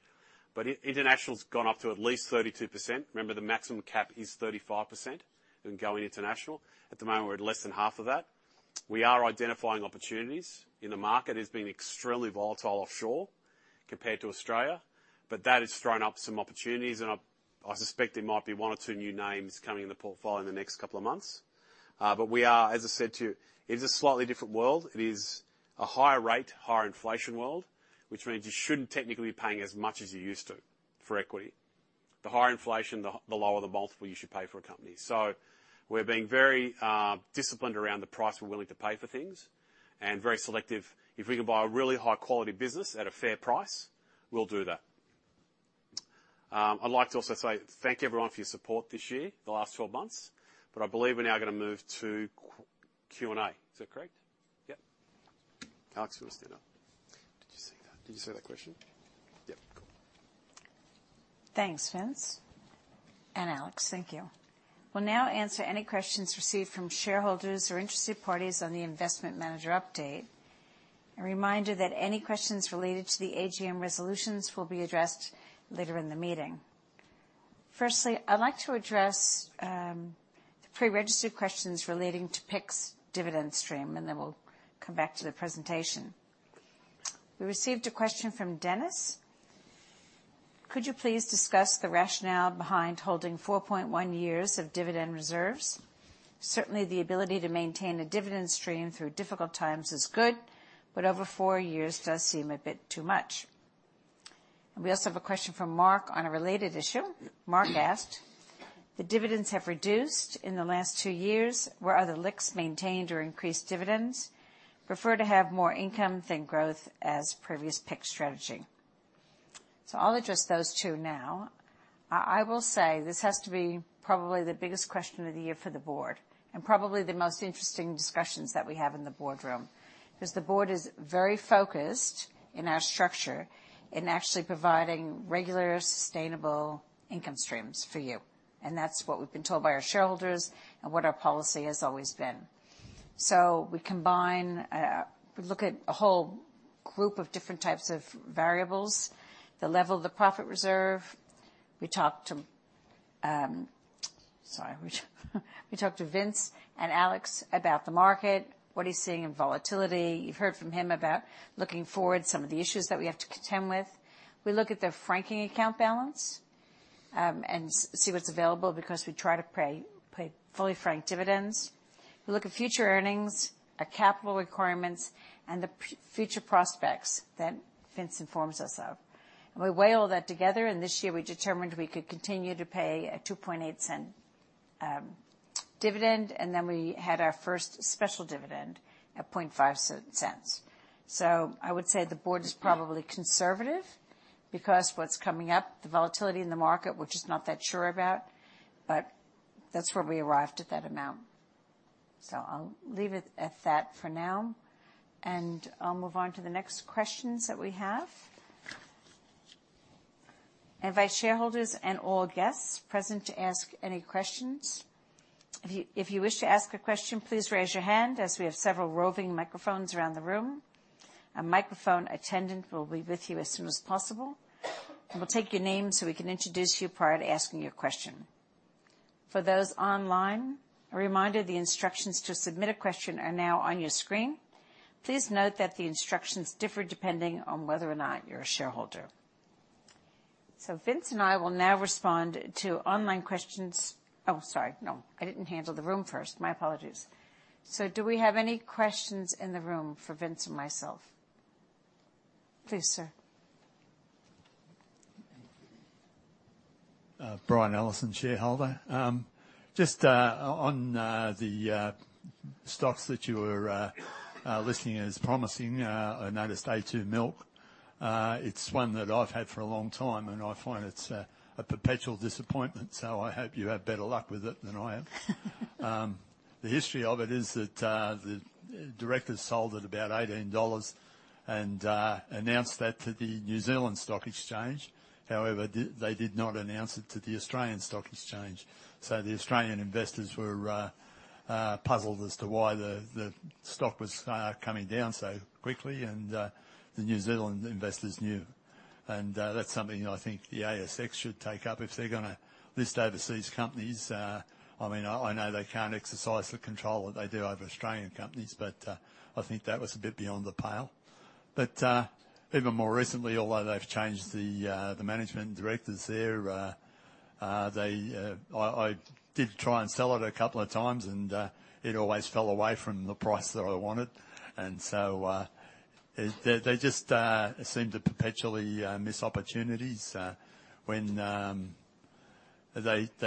But international's gone up to at least 32%. Remember, the maximum cap is 35% in going international. At the moment, we're at less than half of that. We are identifying opportunities in the market. It's been extremely volatile offshore compared to Australia, but that has thrown up some opportunities, and I suspect there might be one or two new names coming in the portfolio in the next couple of months. But we are, as I said to you, it is a slightly different world. It is a higher rate, higher inflation world, which means you shouldn't technically be paying as much as you used to for equity. The higher inflation, the lower the multiple you should pay for a company. So we're being very disciplined around the price we're willing to pay for things, and very selective. If we can buy a really high quality business at a fair price, we'll do that. I'd like to also say thank everyone for your support this year, the last twelve months. I believe we're now gonna move to Q&A. Is that correct? Yep. Alex, you want to stand up? Did you see that? Did you see that question? Yep, cool. Thanks, Vince and Alex. Thank you. We'll now answer any questions received from shareholders or interested parties on the investment manager update. A reminder that any questions related to the AGM resolutions will be addressed later in the meeting. Firstly, I'd like to address the pre-registered questions relating to PIC's dividend stream, and then we'll come back to the presentation. We received a question from Dennis: Could you please discuss the rationale behind holding 4.1 years of dividend reserves? Certainly the ability to maintain a dividend stream through difficult times is good, but over four years does seem a bit too much. We also have a question from Mark on a related issue. Yep. Mark asked, "The dividends have reduced in the last two years. Where are the LICs maintained or increased dividends? Prefer to have more income than growth as previous PIC strategy." I'll address those two now. I will say this has to be probably the biggest question of the year for the board, and probably the most interesting discussions that we have in the boardroom. 'Cause the board is very focused in our structure in actually providing regular, sustainable income streams for you, and that's what we've been told by our shareholders and what our policy has always been. We combine, we look at a whole group of different types of variables, the level of the profit reserve. We talk to Vince and Alex about the market, what he's seeing in volatility. You've heard from him about looking forward some of the issues that we have to contend with. We look at the franking account balance and see what's available because we try to pay fully franked dividends. We look at future earnings, at capital requirements and the future prospects that Vince informs us of. We weigh all that together, and this year we determined we could continue to pay a 0.028 dividend, and then we had our first special dividend at 0.005 cents. I would say the board is probably conservative because what's coming up, the volatility in the market, which it's not that sure about. That's where we arrived at that amount. I'll leave it at that for now, and I'll move on to the next questions that we have. I invite shareholders and all guests present to ask any questions. If you wish to ask a question, please raise your hand as we have several roving microphones around the room. A microphone attendant will be with you as soon as possible, and we'll take your name so we can introduce you prior to asking your question. For those online, a reminder, the instructions to submit a question are now on your screen. Please note that the instructions differ depending on whether or not you're a shareholder. Vince and I will now respond to online questions. Oh, sorry. No, I didn't handle the room first. My apologies. Do we have any questions in the room for Vince and myself? Please, sir. Brian Ellison, shareholder. Just, on the stocks that you were listing as promising, I noticed a2 Milk. It's one that I've had for a long time, and I find it's a perpetual disappointment, so I hope you have better luck with it than I have. The history of it is that the directors sold at about 18 dollars and announced that to the New Zealand Stock Exchange. However, they did not announce it to the Australian Securities Exchange. The Australian investors were puzzled as to why the stock was coming down so quickly and the New Zealand investors knew. That's something I think the ASX should take up if they're gonna list overseas companies. I mean, I know they can't exercise the control that they do over Australian companies, but I think that was a bit beyond the pale. Even more recently, although they've changed the management and directors there, I did try and sell it a couple of times and it always fell away from the price that I wanted. They just seem to perpetually miss opportunities. They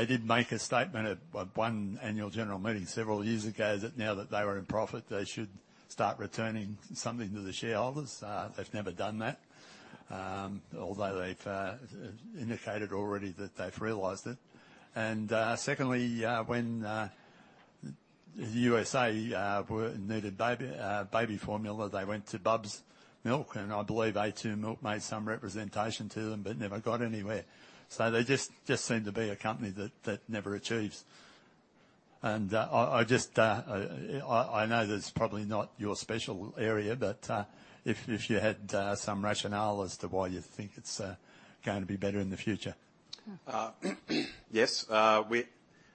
did make a statement at one annual general meeting several years ago that now that they were in profit, they should start returning something to the shareholders. They've never done that. Although they've indicated already that they've realized it. Secondly, when the U.S. needed baby formula, they went to Bubs Australia, and I believe a2 Milk made some representation to them, but never got anywhere. They just seem to be a company that never achieves. I just know that it's probably not your special area, but if you had some rationale as to why you think it's going to be better in the future. Hmm. Yes.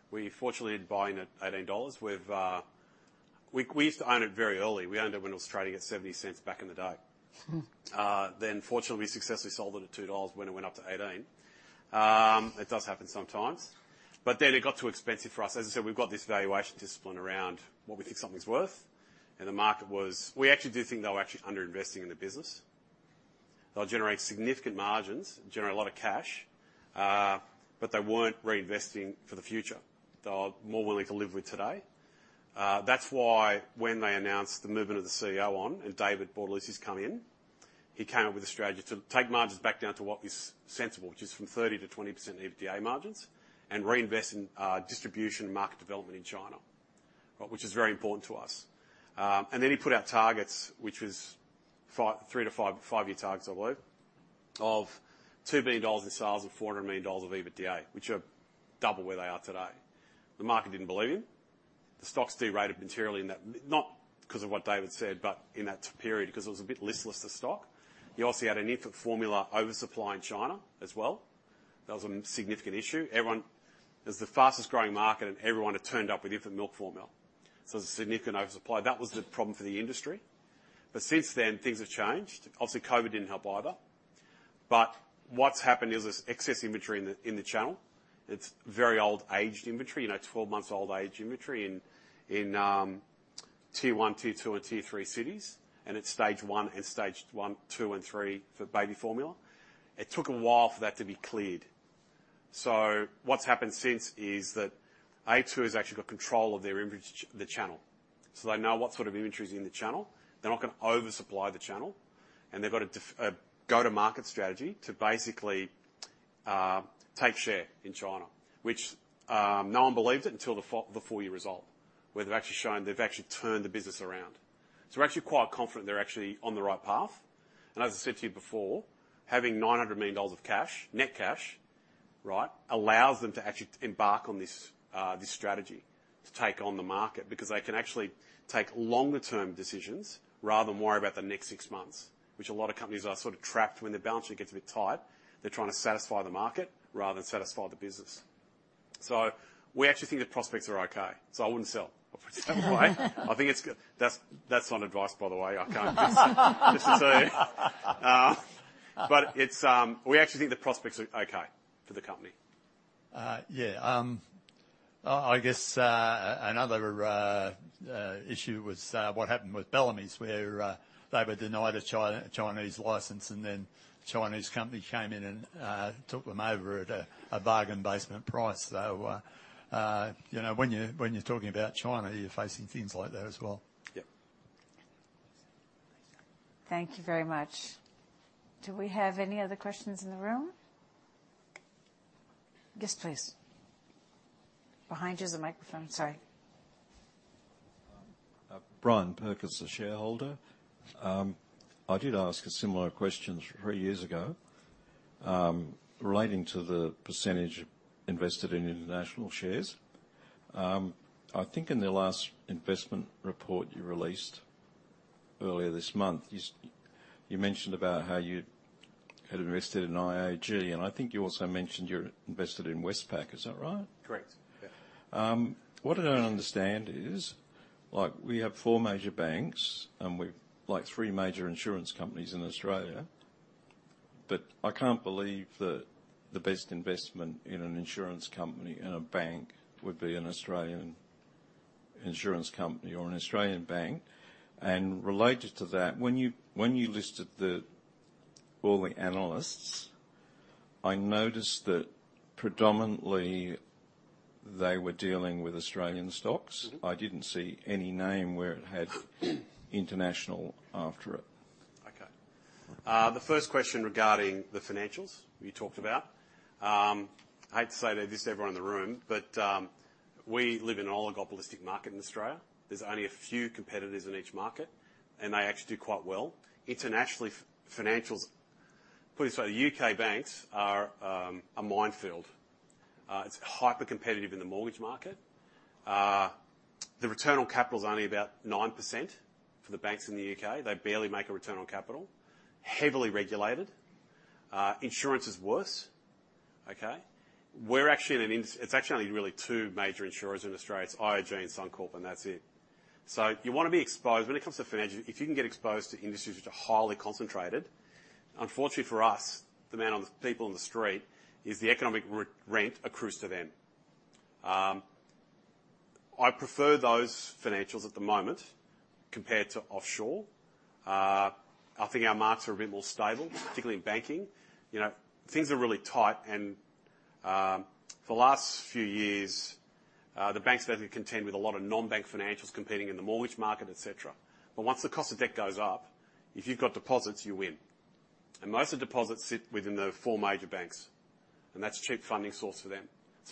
We fortunately had buy in at 18 dollars. We used to own it very early. We owned it when it was trading at 0.70 back in the day. Then fortunately we successfully sold it at 2 dollars when it went up to 18. It does happen sometimes. It got too expensive for us. As I said, we've got this valuation discipline around what we think something's worth. The market was. We actually do think they were actually under-investing in the business. They'll generate significant margins, generate a lot of cash, but they weren't reinvesting for the future. They are more willing to live with today. That's why when they announced the movement of the CEO on, and David Bortolussi's come in, he came up with a strategy to take margins back down to what was sensible, which is from 30%-20% EBITDA margins, and reinvest in distribution and market development in China, which is very important to us. He put out targets, which was 3- to 5-year targets, I believe, of 2 billion dollars in sales and 400 million dollars of EBITDA, which are double where they are today. The market didn't believe him. The stock derated materially in that period, not 'cause of what David said, but 'cause it was a bit listless, the stock. You also had an infant formula oversupply in China as well. That was a significant issue. It's the fastest-growing market, and everyone had turned up with infant milk formula. It was a significant oversupply. That was the problem for the industry. Since then, things have changed. Obviously, COVID didn't help either. What's happened is there's excess inventory in the channel. It's very old aged inventory, you know, 12 months old aged inventory in tier one, tier two and tier three cities. It's stage one, two and three for baby formula. It took a while for that to be cleared. What's happened since is that a2 has actually got control of the channel. They know what sort of inventory is in the channel. They're not gonna oversupply the channel, and they've got a go-to-market strategy to basically take share in China, which no one believed it until the full year result, where they've actually shown they've actually turned the business around. We're actually quite confident they're actually on the right path. As I said to you before, having 900 million dollars of cash, net cash, right, allows them to actually embark on this strategy to take on the market, because they can actually take longer term decisions rather than worry about the next six months, which a lot of companies are sort of trapped when their balance sheet gets a bit tight. They're trying to satisfy the market rather than satisfy the business. We actually think the prospects are okay, so I wouldn't sell. That's not advice, by the way. Just to say. We actually think the prospects are okay for the company. I guess another issue was what happened with Bellamy's, where they were denied a Chinese license, and then a Chinese company came in and took them over at a bargain basement price. You know, when you're talking about China, you're facing things like that as well. Yep. Thank you very much. Do we have any other questions in the room? Yes, please. Behind you is a microphone. Sorry. Brian Perkins, a shareholder. I did ask a similar question three years ago, relating to the percentage invested in international shares. I think in the last investment report you released earlier this month, you mentioned about how you had invested in IAG, and I think you also mentioned you're invested in Westpac. Is that right? Correct. Yeah. What I don't understand is, like, we have four major banks, and we've like three major insurance companies in Australia, but I can't believe that the best investment in an insurance company and a bank would be an Australian insurance company or an Australian bank. Related to that, when you listed all the analysts, I noticed that predominantly they were dealing with Australian stocks. Mm-hmm. I didn't see any name where it had international after it. Okay. The first question regarding the financials you talked about, I hate to say this to everyone in the room, but, we live in an oligopolistic market in Australia. There's only a few competitors in each market, and they actually do quite well. Internationally, financials, put it this way, U.K. banks are a minefield. It's hypercompetitive in the mortgage market. The return on capital is only about 9% for the banks in the U.K. They barely make a return on capital. Heavily regulated. Insurance is worse, okay? It's actually only really two major insurers in Australia. It's IAG and Suncorp, and that's it. So you wanna be exposed. When it comes to financials, if you can get exposed to industries which are highly concentrated, fortunately for us, the economic rent accrues to them. I prefer those financials at the moment compared to offshore. I think our markets are a bit more stable, particularly in banking. You know, things are really tight and, for the last few years, the banks have had to contend with a lot of non-bank financials competing in the mortgage market, et cetera. Once the cost of debt goes up, if you've got deposits, you win. Most of the deposits sit within the four major banks, and that's a cheap funding source for them.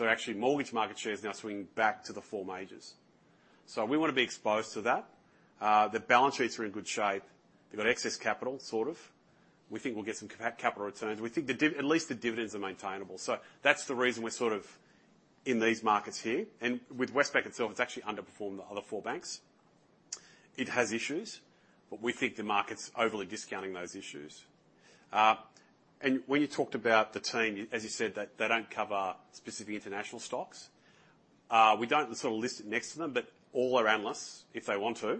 Actually, mortgage market share is now swinging back to the four majors. We wanna be exposed to that. Their balance sheets are in good shape. They've got excess capital, sort of. We think we'll get some capital returns. We think the dividends are maintainable. That's the reason we're sort of in these markets here. With Westpac itself, it's actually underperformed the other four banks. It has issues, but we think the market's overly discounting those issues. When you talked about the team, as you said, they don't cover specific international stocks. We don't sort of list it next to them, but all our analysts, if they want to,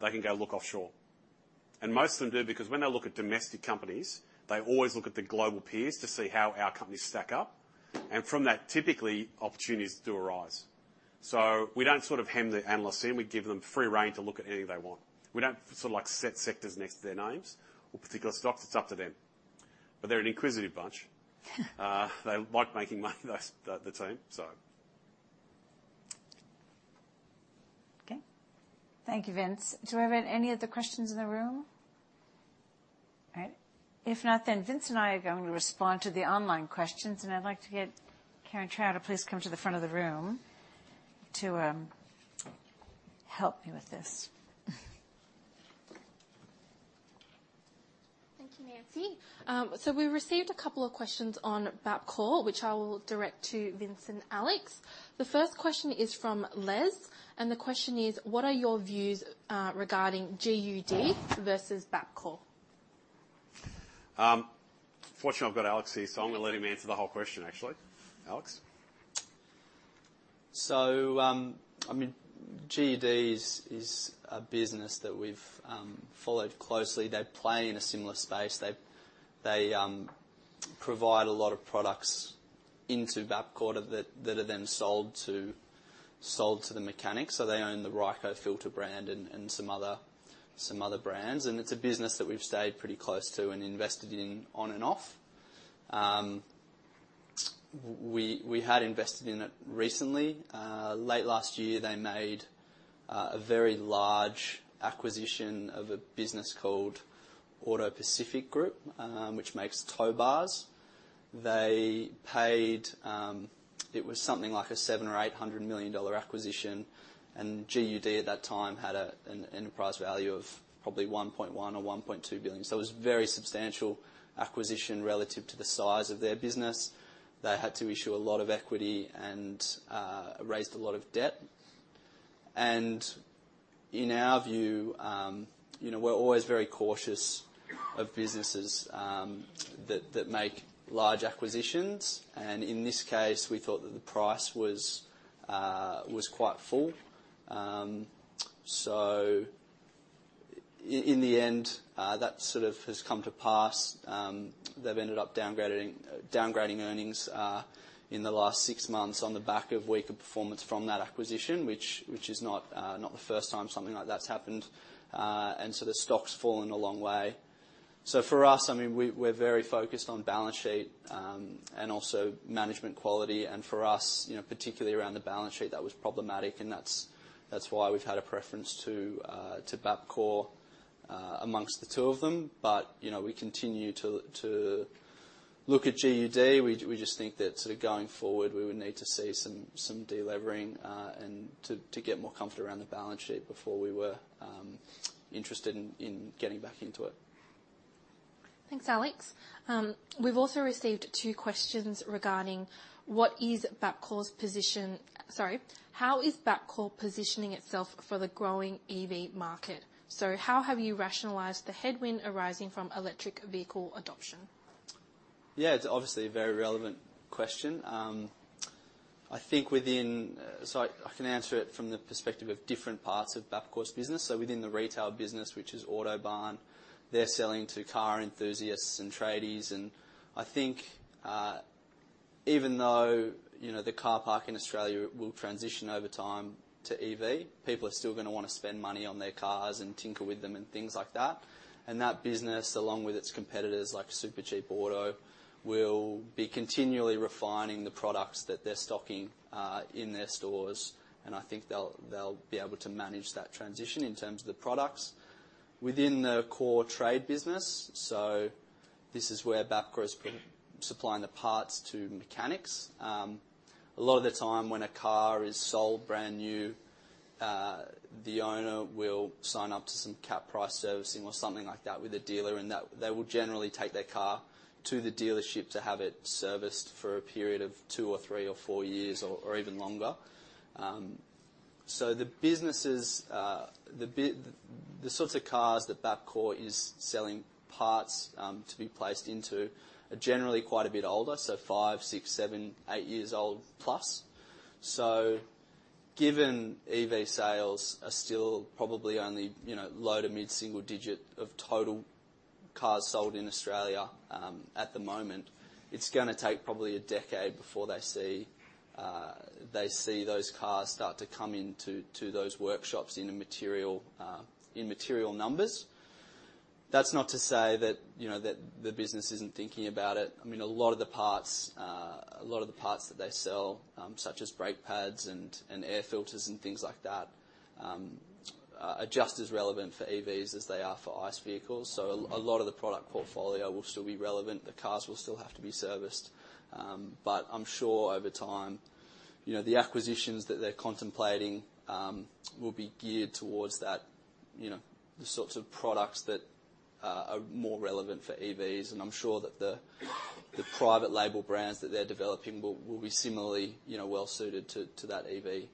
they can go look offshore. Most of them do because when they look at domestic companies, they always look at the global peers to see how our companies stack up. From that, typically, opportunities do arise. We don't sort of hem the analysts in. We give them free rein to look at anything they want. We don't sort of like set sectors next to their names or particular stocks. It's up to them. They're an inquisitive bunch. They like making money, the team, so. Okay. Thank you, Vince. Do I have any other questions in the room? All right. If not, then Vince and I are going to respond to the online questions, and I'd like to get Karen Trau to please come to the front of the room to help me with this. Thank you, Nancy. We received a couple of questions on Bapcor, which I will direct to Vince and Alex. The first question is from Les, and the question is: What are your views regarding GUD versus Bapcor? Fortunately, I've got Alex here, so I'm gonna let him answer the whole question actually. Alex? I mean, GUD is a business that we've followed closely. They play in a similar space. They provide a lot of products into Bapcor that are then sold to the mechanics. They own the Ryco Filter brand and some other brands. It's a business that we've stayed pretty close to and invested in, on and off. We had invested in it recently. Late last year they made a very large acquisition of a business called AutoPacific Group, which makes tow bars. They paid, it was something like an 700 million-800 million dollar acquisition. GUD at that time had an enterprise value of probably 1.1 billion-1.2 billion. It was a very substantial acquisition relative to the size of their business. They had to issue a lot of equity and raised a lot of debt. In our view, you know, we're always very cautious of businesses that make large acquisitions. In this case, we thought that the price was quite full. In the end, that sort of has come to pass. They've ended up downgrading earnings in the last six months on the back of weaker performance from that acquisition, which is not the first time something like that's happened. The stock's fallen a long way. For us, I mean, we're very focused on balance sheet and also management quality. For us, you know, particularly around the balance sheet, that was problematic, and that's why we've had a preference to Bapcor among the two of them. You know, we continue to look at GUD. We just think that sort of going forward, we would need to see some delevering and to get more comfort around the balance sheet before we were interested in getting back into it. Thanks, Alex. We've also received two questions. How is Bapcor positioning itself for the growing EV market? How have you rationalized the headwind arising from electric vehicle adoption? Yeah. It's obviously a very relevant question. I think I can answer it from the perspective of different parts of Bapcor's business. Within the retail business, which is Autobarn, they're selling to car enthusiasts and tradies, and I think, even though, you know, the car park in Australia will transition over time to EV, people are still gonna wanna spend money on their cars and tinker with them and things like that. And that business, along with its competitors like Supercheap Auto, will be continually refining the products that they're stocking in their stores, and I think they'll be able to manage that transition in terms of the products. Within the core trade business, so this is where Bapcor is supplying the parts to mechanics. A lot of the time when a car is sold brand new, the owner will sign up to some capped price servicing or something like that with a dealer, and that they will generally take their car to the dealership to have it serviced for a period of two or three or four years or even longer. The businesses, the sorts of cars that Bapcor is selling parts to be placed into are generally quite a bit older, so five, six, seven, eight years old plus. Given EV sales are still probably only, you know, low to mid single digit of total cars sold in Australia, at the moment, it's gonna take probably a decade before they see those cars start to come into those workshops in material numbers. That's not to say that, you know, that the business isn't thinking about it. I mean, a lot of the parts that they sell, such as brake pads and air filters and things like that, are just as relevant for EVs as they are for ICE vehicles. A lot of the product portfolio will still be relevant. The cars will still have to be serviced. I'm sure over time, you know, the acquisitions that they're contemplating will be geared towards that, you know, the sorts of products that are more relevant for EVs. I'm sure that the private label brands that they're developing will be similarly, you know, well suited to that EV,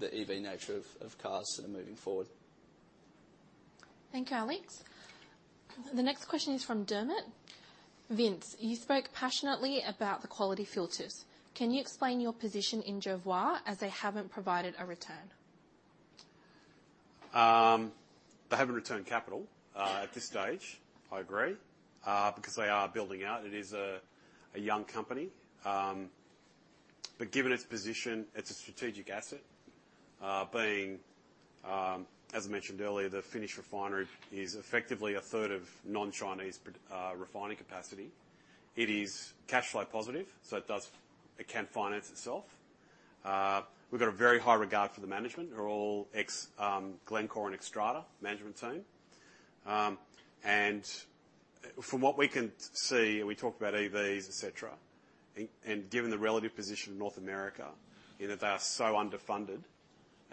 the EV nature of cars sort of moving forward. Thank you, Alex. The next question is from Dermot. Vince, you spoke passionately about the quality filters. Can you explain your position in Jervois, as they haven't provided a return? They haven't returned capital at this stage, I agree, because they are building out. It is a young company. But given its position, it's a strategic asset, being, as I mentioned earlier, the finished refinery is effectively a third of non-Chinese refining capacity. It is cash flow positive, so it can finance itself. We've got a very high regard for the management. They're all ex Glencore and Xstrata management team. And from what we can see, we talked about EVs, et cetera. Given the relative position in North America, in that they are so underfunded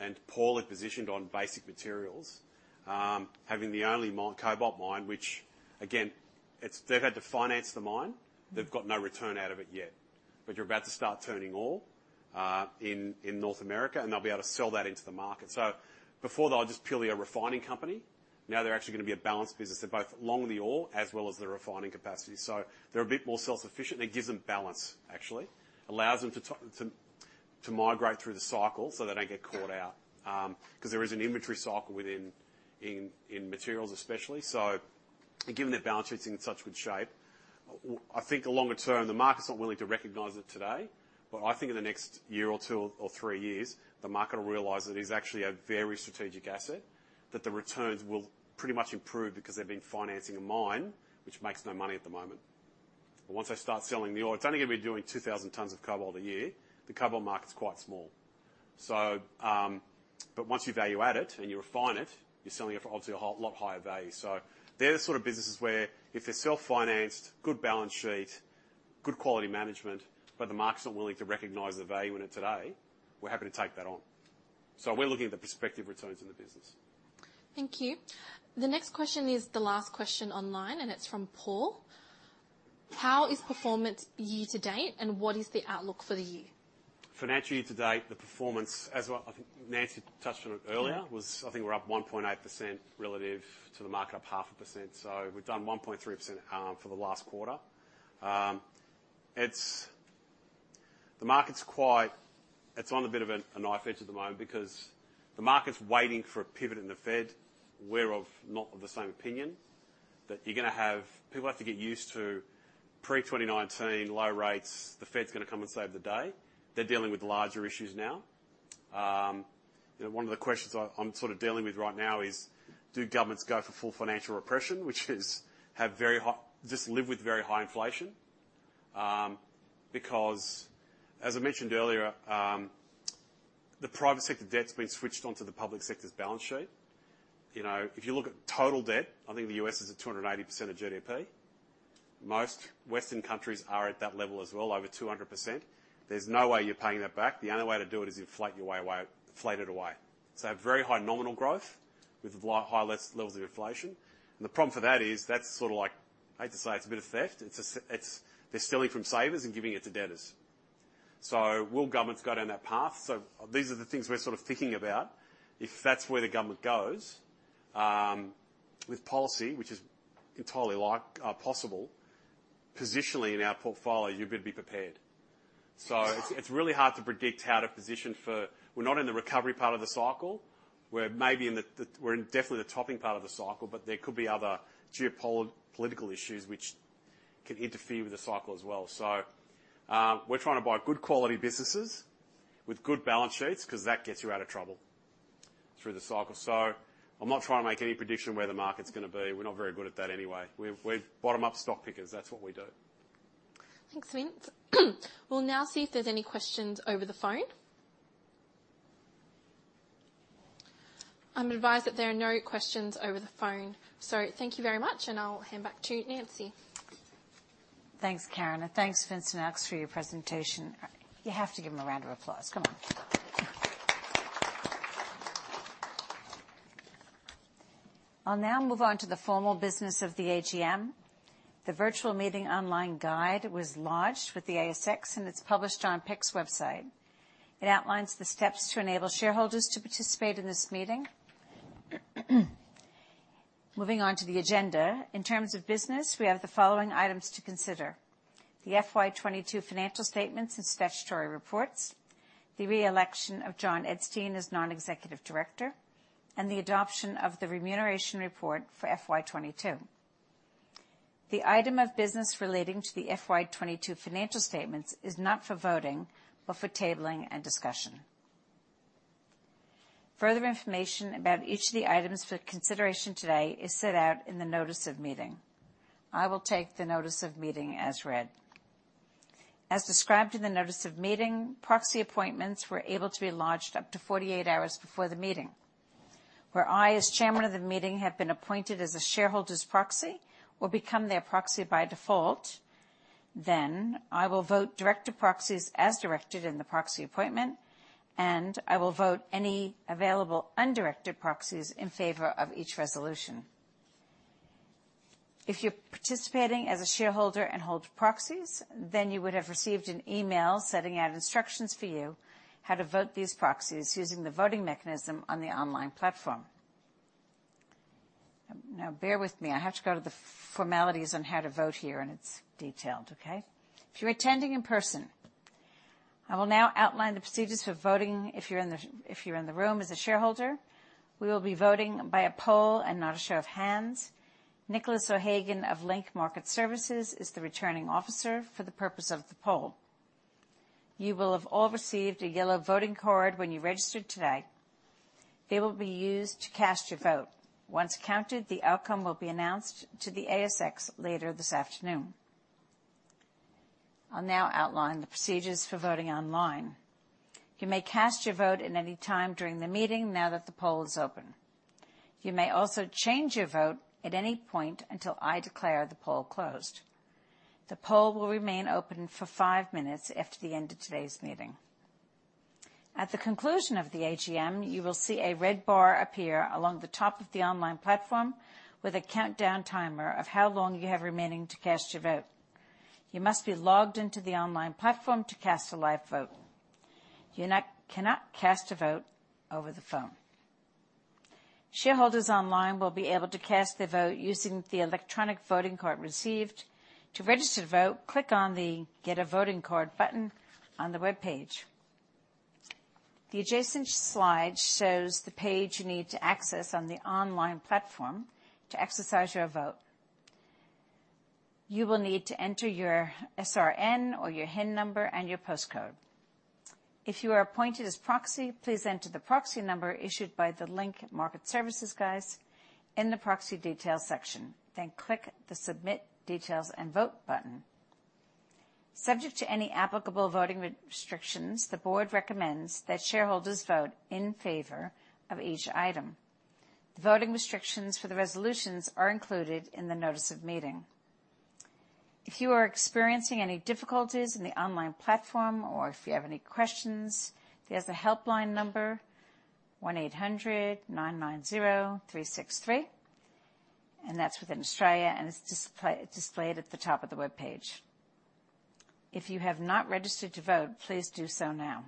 and poorly positioned on basic materials, having the only cobalt mine, which again, they've had to finance the mine. They've got no return out of it yet. You're about to start turning ore in North America, and they'll be able to sell that into the market. Before they were just purely a refining company. Now they're actually gonna be a balanced business. They're both long the ore as well as the refining capacity, so they're a bit more self-sufficient, and it gives them balance actually. Allows them to migrate through the cycle, so they don't get caught out, 'cause there is an inventory cycle within materials especially. Given their balance sheet's in such good shape, I think the longer term, the market's not willing to recognize it today, but I think in the next year or two or three years, the market will realize it is actually a very strategic asset, that the returns will pretty much improve because they've been financing a mine which makes no money at the moment. Once they start selling the ore, it's only gonna be doing 2,000 tons of cobalt a year. The cobalt market's quite small. Once you value add it and you refine it, you're selling it for obviously a lot higher value. They're the sort of businesses where if they're self-financed, good balance sheet, good quality management, but the market's not willing to recognize the value in it today, we're happy to take that on. We're looking at the prospective returns in the business. Thank you. The next question is the last question online, and it's from Paul. How is performance year to date, and what is the outlook for the year? Financial year to date, the performance, I think Nancy touched on it earlier, was, I think, we're up 1.8% relative to the market up 0.5%, so we've done 1.3% for the last quarter. It's on a bit of a knife edge at the moment because the market's waiting for a pivot in the Fed. We're not of the same opinion that you're gonna have people have to get used to pre-2019 low rates. The Fed's gonna come and save the day. They're dealing with larger issues now. You know, one of the questions I'm sort of dealing with right now is, do governments go for full financial repression, which is, have very high just live with very high inflation? Because as I mentioned earlier, the private sector debt's been switched on to the public sector's balance sheet. You know, if you look at total debt, I think the U.S. is at 280% of GDP. Most Western countries are at that level as well, over 200%. There's no way you're paying that back. The only way to do it is you inflate it away. Very high nominal growth with high levels of inflation. The problem for that is that's sort of like, I hate to say it's a bit of theft. It's they're stealing from savers and giving it to debtors. Will governments go down that path? These are the things we're sort of thinking about. If that's where the government goes with policy, which is entirely possible, positionally in our portfolio, you'd better be prepared. It's really hard to predict how to position. We're not in the recovery part of the cycle. We're maybe in the topping part of the cycle. We're definitely in the topping part of the cycle, but there could be other geopolitical issues which can interfere with the cycle as well. We're trying to buy good quality businesses with good balance sheets because that gets you out of trouble through the cycle. I'm not trying to make any prediction where the market's gonna be. We're not very good at that anyway. We're bottom-up stock pickers. That's what we do. Thanks, Vince. We'll now see if there's any questions over the phone. I'm advised that there are no questions over the phone, so thank you very much, and I'll hand back to Nancy. Thanks, Karen, and thanks Vince and Alex for your presentation. You have to give him a round of applause. Come on. I'll now move on to the formal business of the AGM. The virtual meeting online guide was lodged with the ASX, and it's published on PIC's website. It outlines the steps to enable shareholders to participate in this meeting. Moving on to the agenda. In terms of business, we have the following items to consider: the FY 2022 financial statements and statutory reports, the re-election of John Edstein as Non-Executive Director, and the adoption of the remuneration report for FY 2022. The item of business relating to the FY 2022 financial statements is not for voting but for tabling and discussion. Further information about each of the items for consideration today is set out in the notice of meeting. I will take the notice of meeting as read. As described in the notice of meeting, proxy appointments were able to be lodged up to 48 hours before the meeting. Where I, as chairman of the meeting, have been appointed as a shareholder's proxy will become their proxy by default. I will vote director proxies as directed in the proxy appointment, and I will vote any available undirected proxies in favor of each resolution. If you're participating as a shareholder and hold proxies, then you would have received an email setting out instructions for you how to vote these proxies using the voting mechanism on the online platform. Now bear with me, I have to go to the formalities on how to vote here, and it's detailed, okay? If you're attending in person, I will now outline the procedures for voting if you're in the room as a shareholder. We will be voting by a poll and not a show of hands. Nicholas O'Hagan of Link Market Services is the Returning Officer for the purpose of the poll. You will have all received a yellow voting card when you registered today. They will be used to cast your vote. Once counted, the outcome will be announced to the ASX later this afternoon. I'll now outline the procedures for voting online. You may cast your vote at any time during the meeting now that the poll is open. You may also change your vote at any point until I declare the poll closed. The poll will remain open for five minutes after the end of today's meeting. At the conclusion of the AGM, you will see a red bar appear along the top of the online platform with a countdown timer of how long you have remaining to cast your vote. You must be logged into the online platform to cast a live vote. You cannot cast a vote over the phone. Shareholders online will be able to cast their vote using the electronic voting card received. To register to vote, click on the Get a voting card button on the webpage. The adjacent slide shows the page you need to access on the online platform to exercise your vote. You will need to enter your SRN or your HIN number and your postcode. If you are appointed as proxy, please enter the proxy number issued by the Link Market Services guys in the proxy details section, then click the Submit details and vote button. Subject to any applicable voting restrictions, the board recommends that shareholders vote in favor of each item. The voting restrictions for the resolutions are included in the notice of meeting. If you are experiencing any difficulties in the online platform, or if you have any questions, there's a helpline number 1800 990 363, and that's within Australia, and it's displayed at the top of the webpage. If you have not registered to vote, please do so now.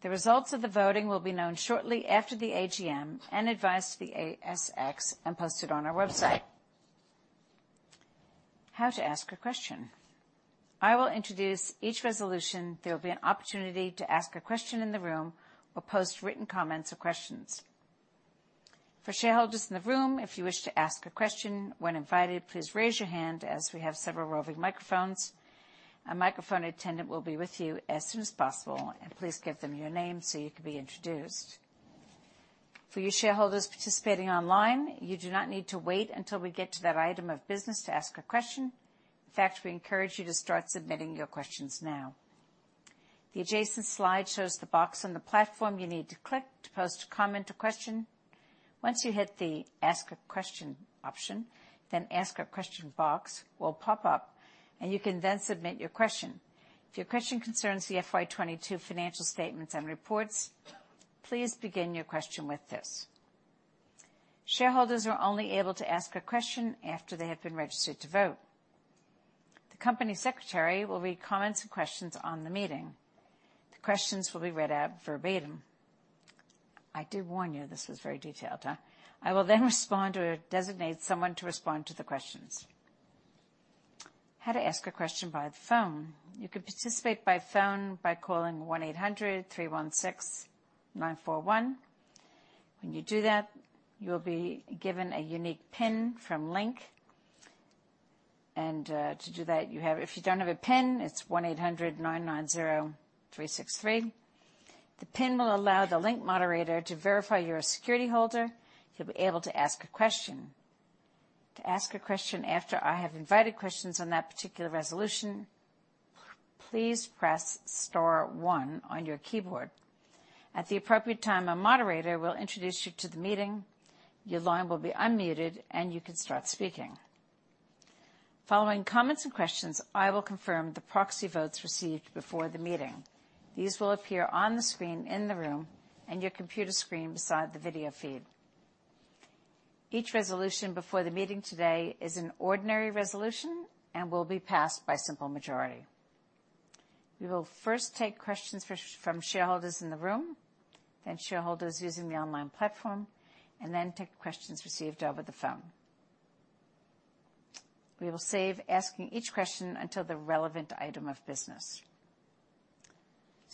The results of the voting will be known shortly after the AGM and advised to the ASX and posted on our website. How to ask a question. I will introduce each resolution. There will be an opportunity to ask a question in the room or post written comments or questions. For shareholders in the room, if you wish to ask a question when invited, please raise your hand as we have several roving microphones. A microphone attendant will be with you as soon as possible, and please give them your name so you can be introduced. For you shareholders participating online, you do not need to wait until we get to that item of business to ask a question. In fact, we encourage you to start submitting your questions now. The adjacent slide shows the box on the platform you need to click to post a comment or question. Once you hit the Ask a question option, then Ask a question box will pop up, and you can then submit your question. If your question concerns the FY 22 financial statements and reports, please begin your question with this. Shareholders are only able to ask a question after they have been registered to vote. The company secretary will read comments and questions on the meeting. The questions will be read out verbatim. I did warn you this was very detailed, huh? I will then respond or designate someone to respond to the questions. How to ask a question by phone. You can participate by phone by calling 1-800-316-941. When you do that, you'll be given a unique pin from Link. If you don't have a pin, it's 1-800-990-363. The pin will allow the Link moderator to verify you're a security holder. You'll be able to ask a question. To ask a question after I have invited questions on that particular resolution, please press star one on your keyboard. At the appropriate time, a moderator will introduce you to the meeting, your line will be unmuted, and you can start speaking. Following comments and questions, I will confirm the proxy votes received before the meeting. These will appear on the screen in the room and your computer screen beside the video feed. Each resolution before the meeting today is an ordinary resolution and will be passed by simple majority. We will first take questions from shareholders in the room, then shareholders using the online platform, and then take questions received over the phone. We will save asking each question until the relevant item of business.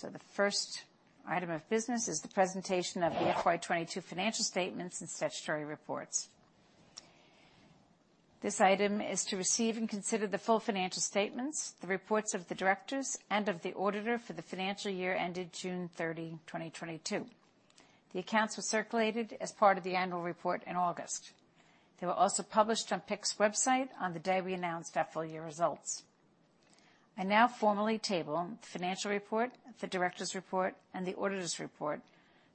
The first item of business is the presentation of the FY 22 financial statements and statutory reports. This item is to receive and consider the full financial statements, the reports of the directors, and of the auditor for the financial year ended June 30, 2022. The accounts were circulated as part of the annual report in August. They were also published on PIC's website on the day we announced our full-year results. I now formally table the financial report, the director's report, and the auditor's report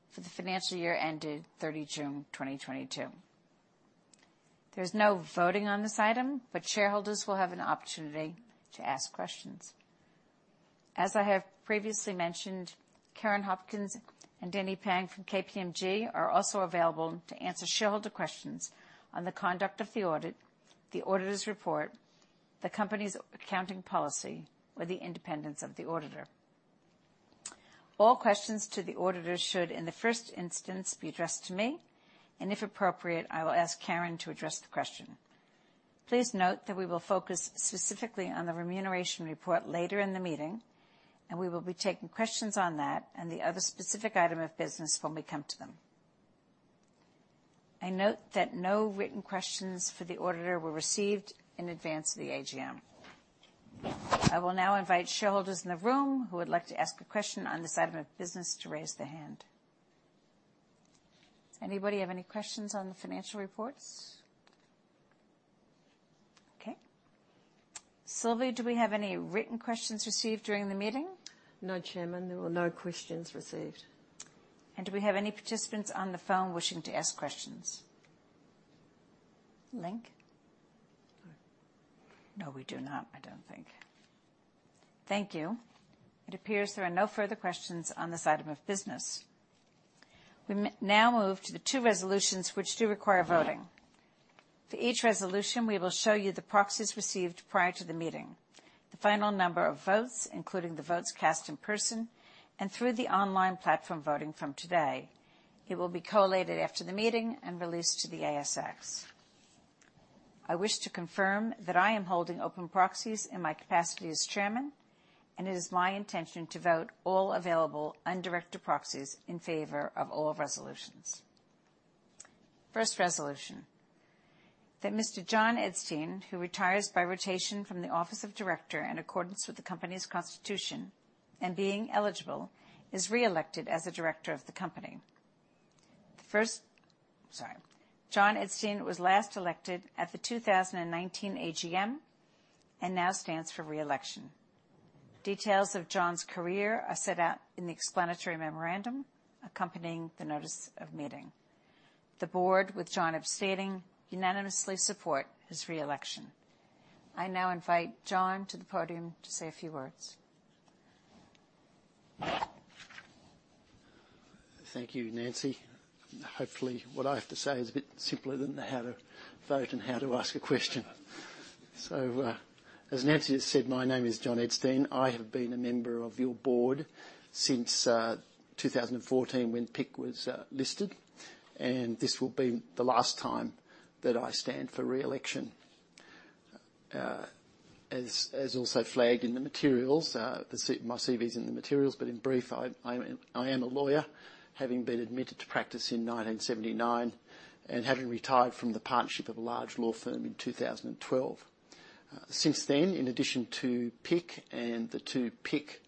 for the financial year ended June 30, 2022. There's no voting on this item, but shareholders will have an opportunity to ask questions. As I have previously mentioned, Karen Hopkins and Danny Pang from KPMG are also available to answer shareholder questions on the conduct of the audit, the auditor's report, the company's accounting policy or the independence of the auditor. All questions to the auditor should, in the first instance, be addressed to me, and if appropriate, I will ask Karen to address the question. Please note that we will focus specifically on the remuneration report later in the meeting, and we will be taking questions on that and the other specific item of business when we come to them. I note that no written questions for the auditor were received in advance of the AGM. I will now invite shareholders in the room who would like to ask a question on this item of business to raise their hand. Anybody have any questions on the financial reports? Okay. Sylvie, do we have any written questions received during the meeting? No, Chairman. There were no questions received. Do we have any participants on the phone wishing to ask questions? Link? No. No, we do not, I don't think. Thank you. It appears there are no further questions on this item of business. We now move to the two resolutions which do require voting. For each resolution, we will show you the proxies received prior to the meeting, the final number of votes, including the votes cast in person and through the online platform voting from today. It will be collated after the meeting and released to the ASX. I wish to confirm that I am holding open proxies in my capacity as chairman, and it is my intention to vote all available undirected proxies in favor of all resolutions. First resolution, that Mr. John Edstein, who retires by rotation from the office of director in accordance with the company's constitution and being eligible, is reelected as a director of the company. John Edstein was last elected at the 2019 AGM and now stands for reelection. Details of John's career are set out in the explanatory memorandum accompanying the notice of meeting. The board, with John abstaining, unanimously support his reelection. I now invite John to the podium to say a few words. Thank you, Nancy. Hopefully, what I have to say is a bit simpler than the how to vote and how to ask a question. As Nancy just said, my name is John Edstein. I have been a member of your board since 2014 when PIC was listed, and this will be the last time that I stand for reelection. As also flagged in the materials, my CV is in the materials, but in brief, I am a lawyer, having been admitted to practice in 1979 and having retired from the partnership of a large law firm in 2012. Since then, in addition to PIC and the two PIC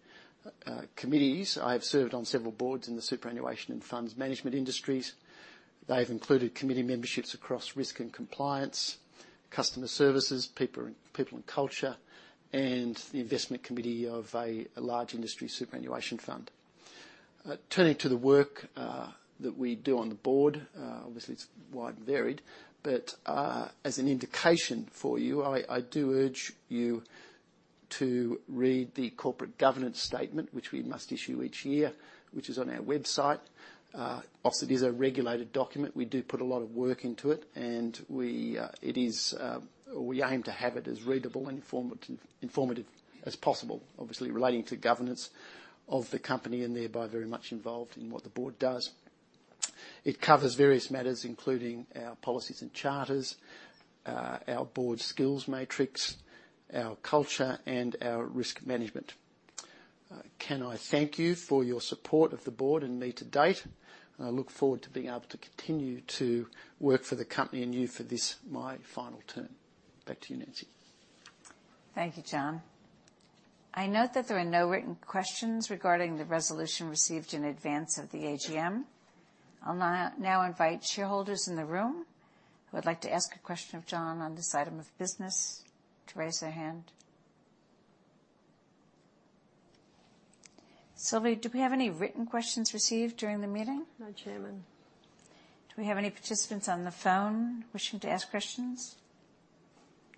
committees, I have served on several boards in the superannuation and funds management industries. They've included committee memberships across risk and compliance, customer services, people and culture, and the investment committee of a large industry superannuation fund. Turning to the work that we do on the board, obviously it's wide and varied, but as an indication for you, I do urge you to read the corporate governance statement, which we must issue each year, which is on our website. Obviously it is a regulated document. We do put a lot of work into it. We aim to have it as readable and informative as possible, obviously relating to governance of the company and thereby very much involved in what the board does. It covers various matters, including our policies and charters, our board skills matrix, our culture, and our risk management. Can I thank you for your support of the board and me to date? I look forward to being able to continue to work for the company and you for this, my final term. Back to you, Nancy. Thank you, John. I note that there are no written questions regarding the resolution received in advance of the AGM. I'll now invite shareholders in the room who would like to ask a question of John on this item of business to raise their hand. Sylvie, do we have any written questions received during the meeting? No, Chairman. Do we have any participants on the phone wishing to ask questions?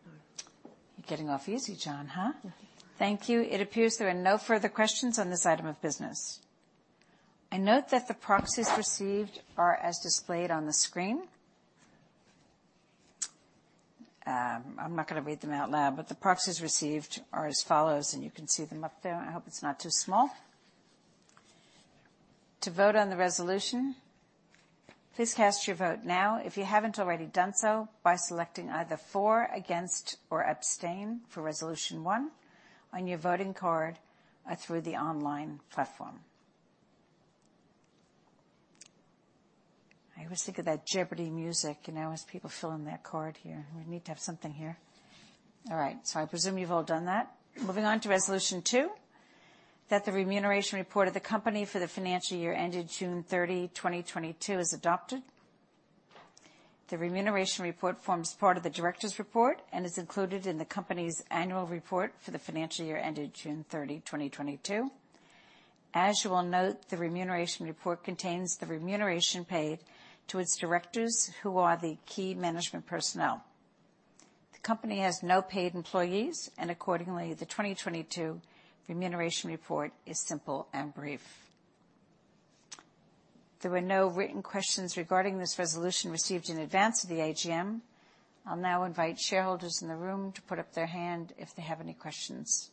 No. You're getting off easy, John, huh? Thank you. It appears there are no further questions on this item of business. I note that the proxies received are as displayed on the screen. I'm not gonna read them out loud, but the proxies received are as follows, and you can see them up there. I hope it's not too small. To vote on the resolution, please cast your vote now if you haven't already done so by selecting either for, against, or abstain for resolution one on your voting card or through the online platform. I always think of that Jeopardy music, you know, as people fill in that card here. We need to have something here. All right, so I presume you've all done that. Moving on to resolution two, that the remuneration report of the company for the financial year ended June 30, 2022 is adopted. The remuneration report forms part of the director's report and is included in the company's annual report for the financial year ended June 30, 2022. As you will note, the remuneration report contains the remuneration paid to its directors who are the key management personnel. The company has no paid employees, and accordingly, the 2022 remuneration report is simple and brief. There were no written questions regarding this resolution received in advance of the AGM. I'll now invite shareholders in the room to put up their hand if they have any questions.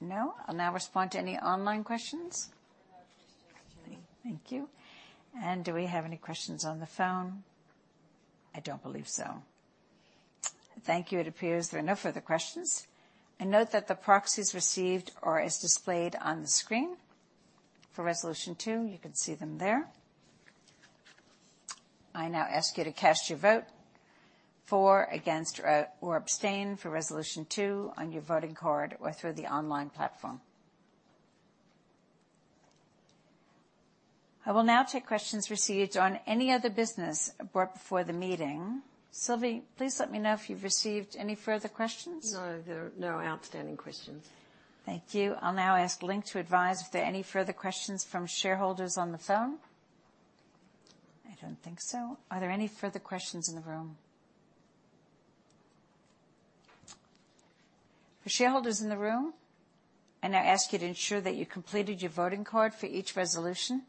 No? I'll now respond to any online questions. No questions, Julie. Thank you. Do we have any questions on the phone? I don't believe so. Thank you. It appears there are no further questions. Note that the proxies received are as displayed on the screen. For resolution two, you can see them there. I now ask you to cast your vote for, against, or abstain for resolution two on your voting card or through the online platform. I will now take questions received on any other business brought before the meeting. Sylvie, please let me know if you've received any further questions. No, there are no outstanding questions. Thank you. I'll now ask Link to advise if there are any further questions from shareholders on the phone. I don't think so. Are there any further questions in the room? For shareholders in the room, I now ask you to ensure that you completed your voting card for each resolution.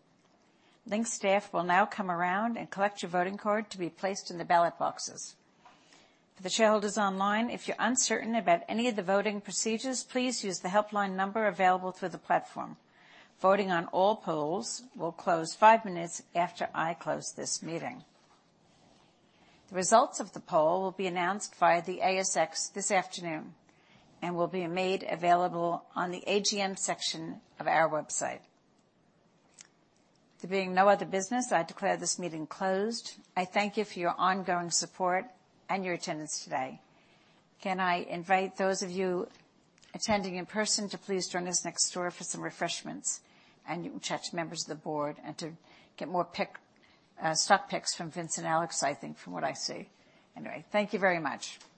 Link staff will now come around and collect your voting card to be placed in the ballot boxes. For the shareholders online, if you're uncertain about any of the voting procedures, please use the helpline number available through the platform. Voting on all polls will close five minutes after I close this meeting. The results of the poll will be announced via the ASX this afternoon, and will be made available on the AGM section of our website. There being no other business, I declare this meeting closed. I thank you for your ongoing support and your attendance today. Can I invite those of you attending in person to please join us next door for some refreshments, and you can chat to members of the board and to get more stock picks from Vince and Alex, I think, from what I see. Anyway, thank you very much.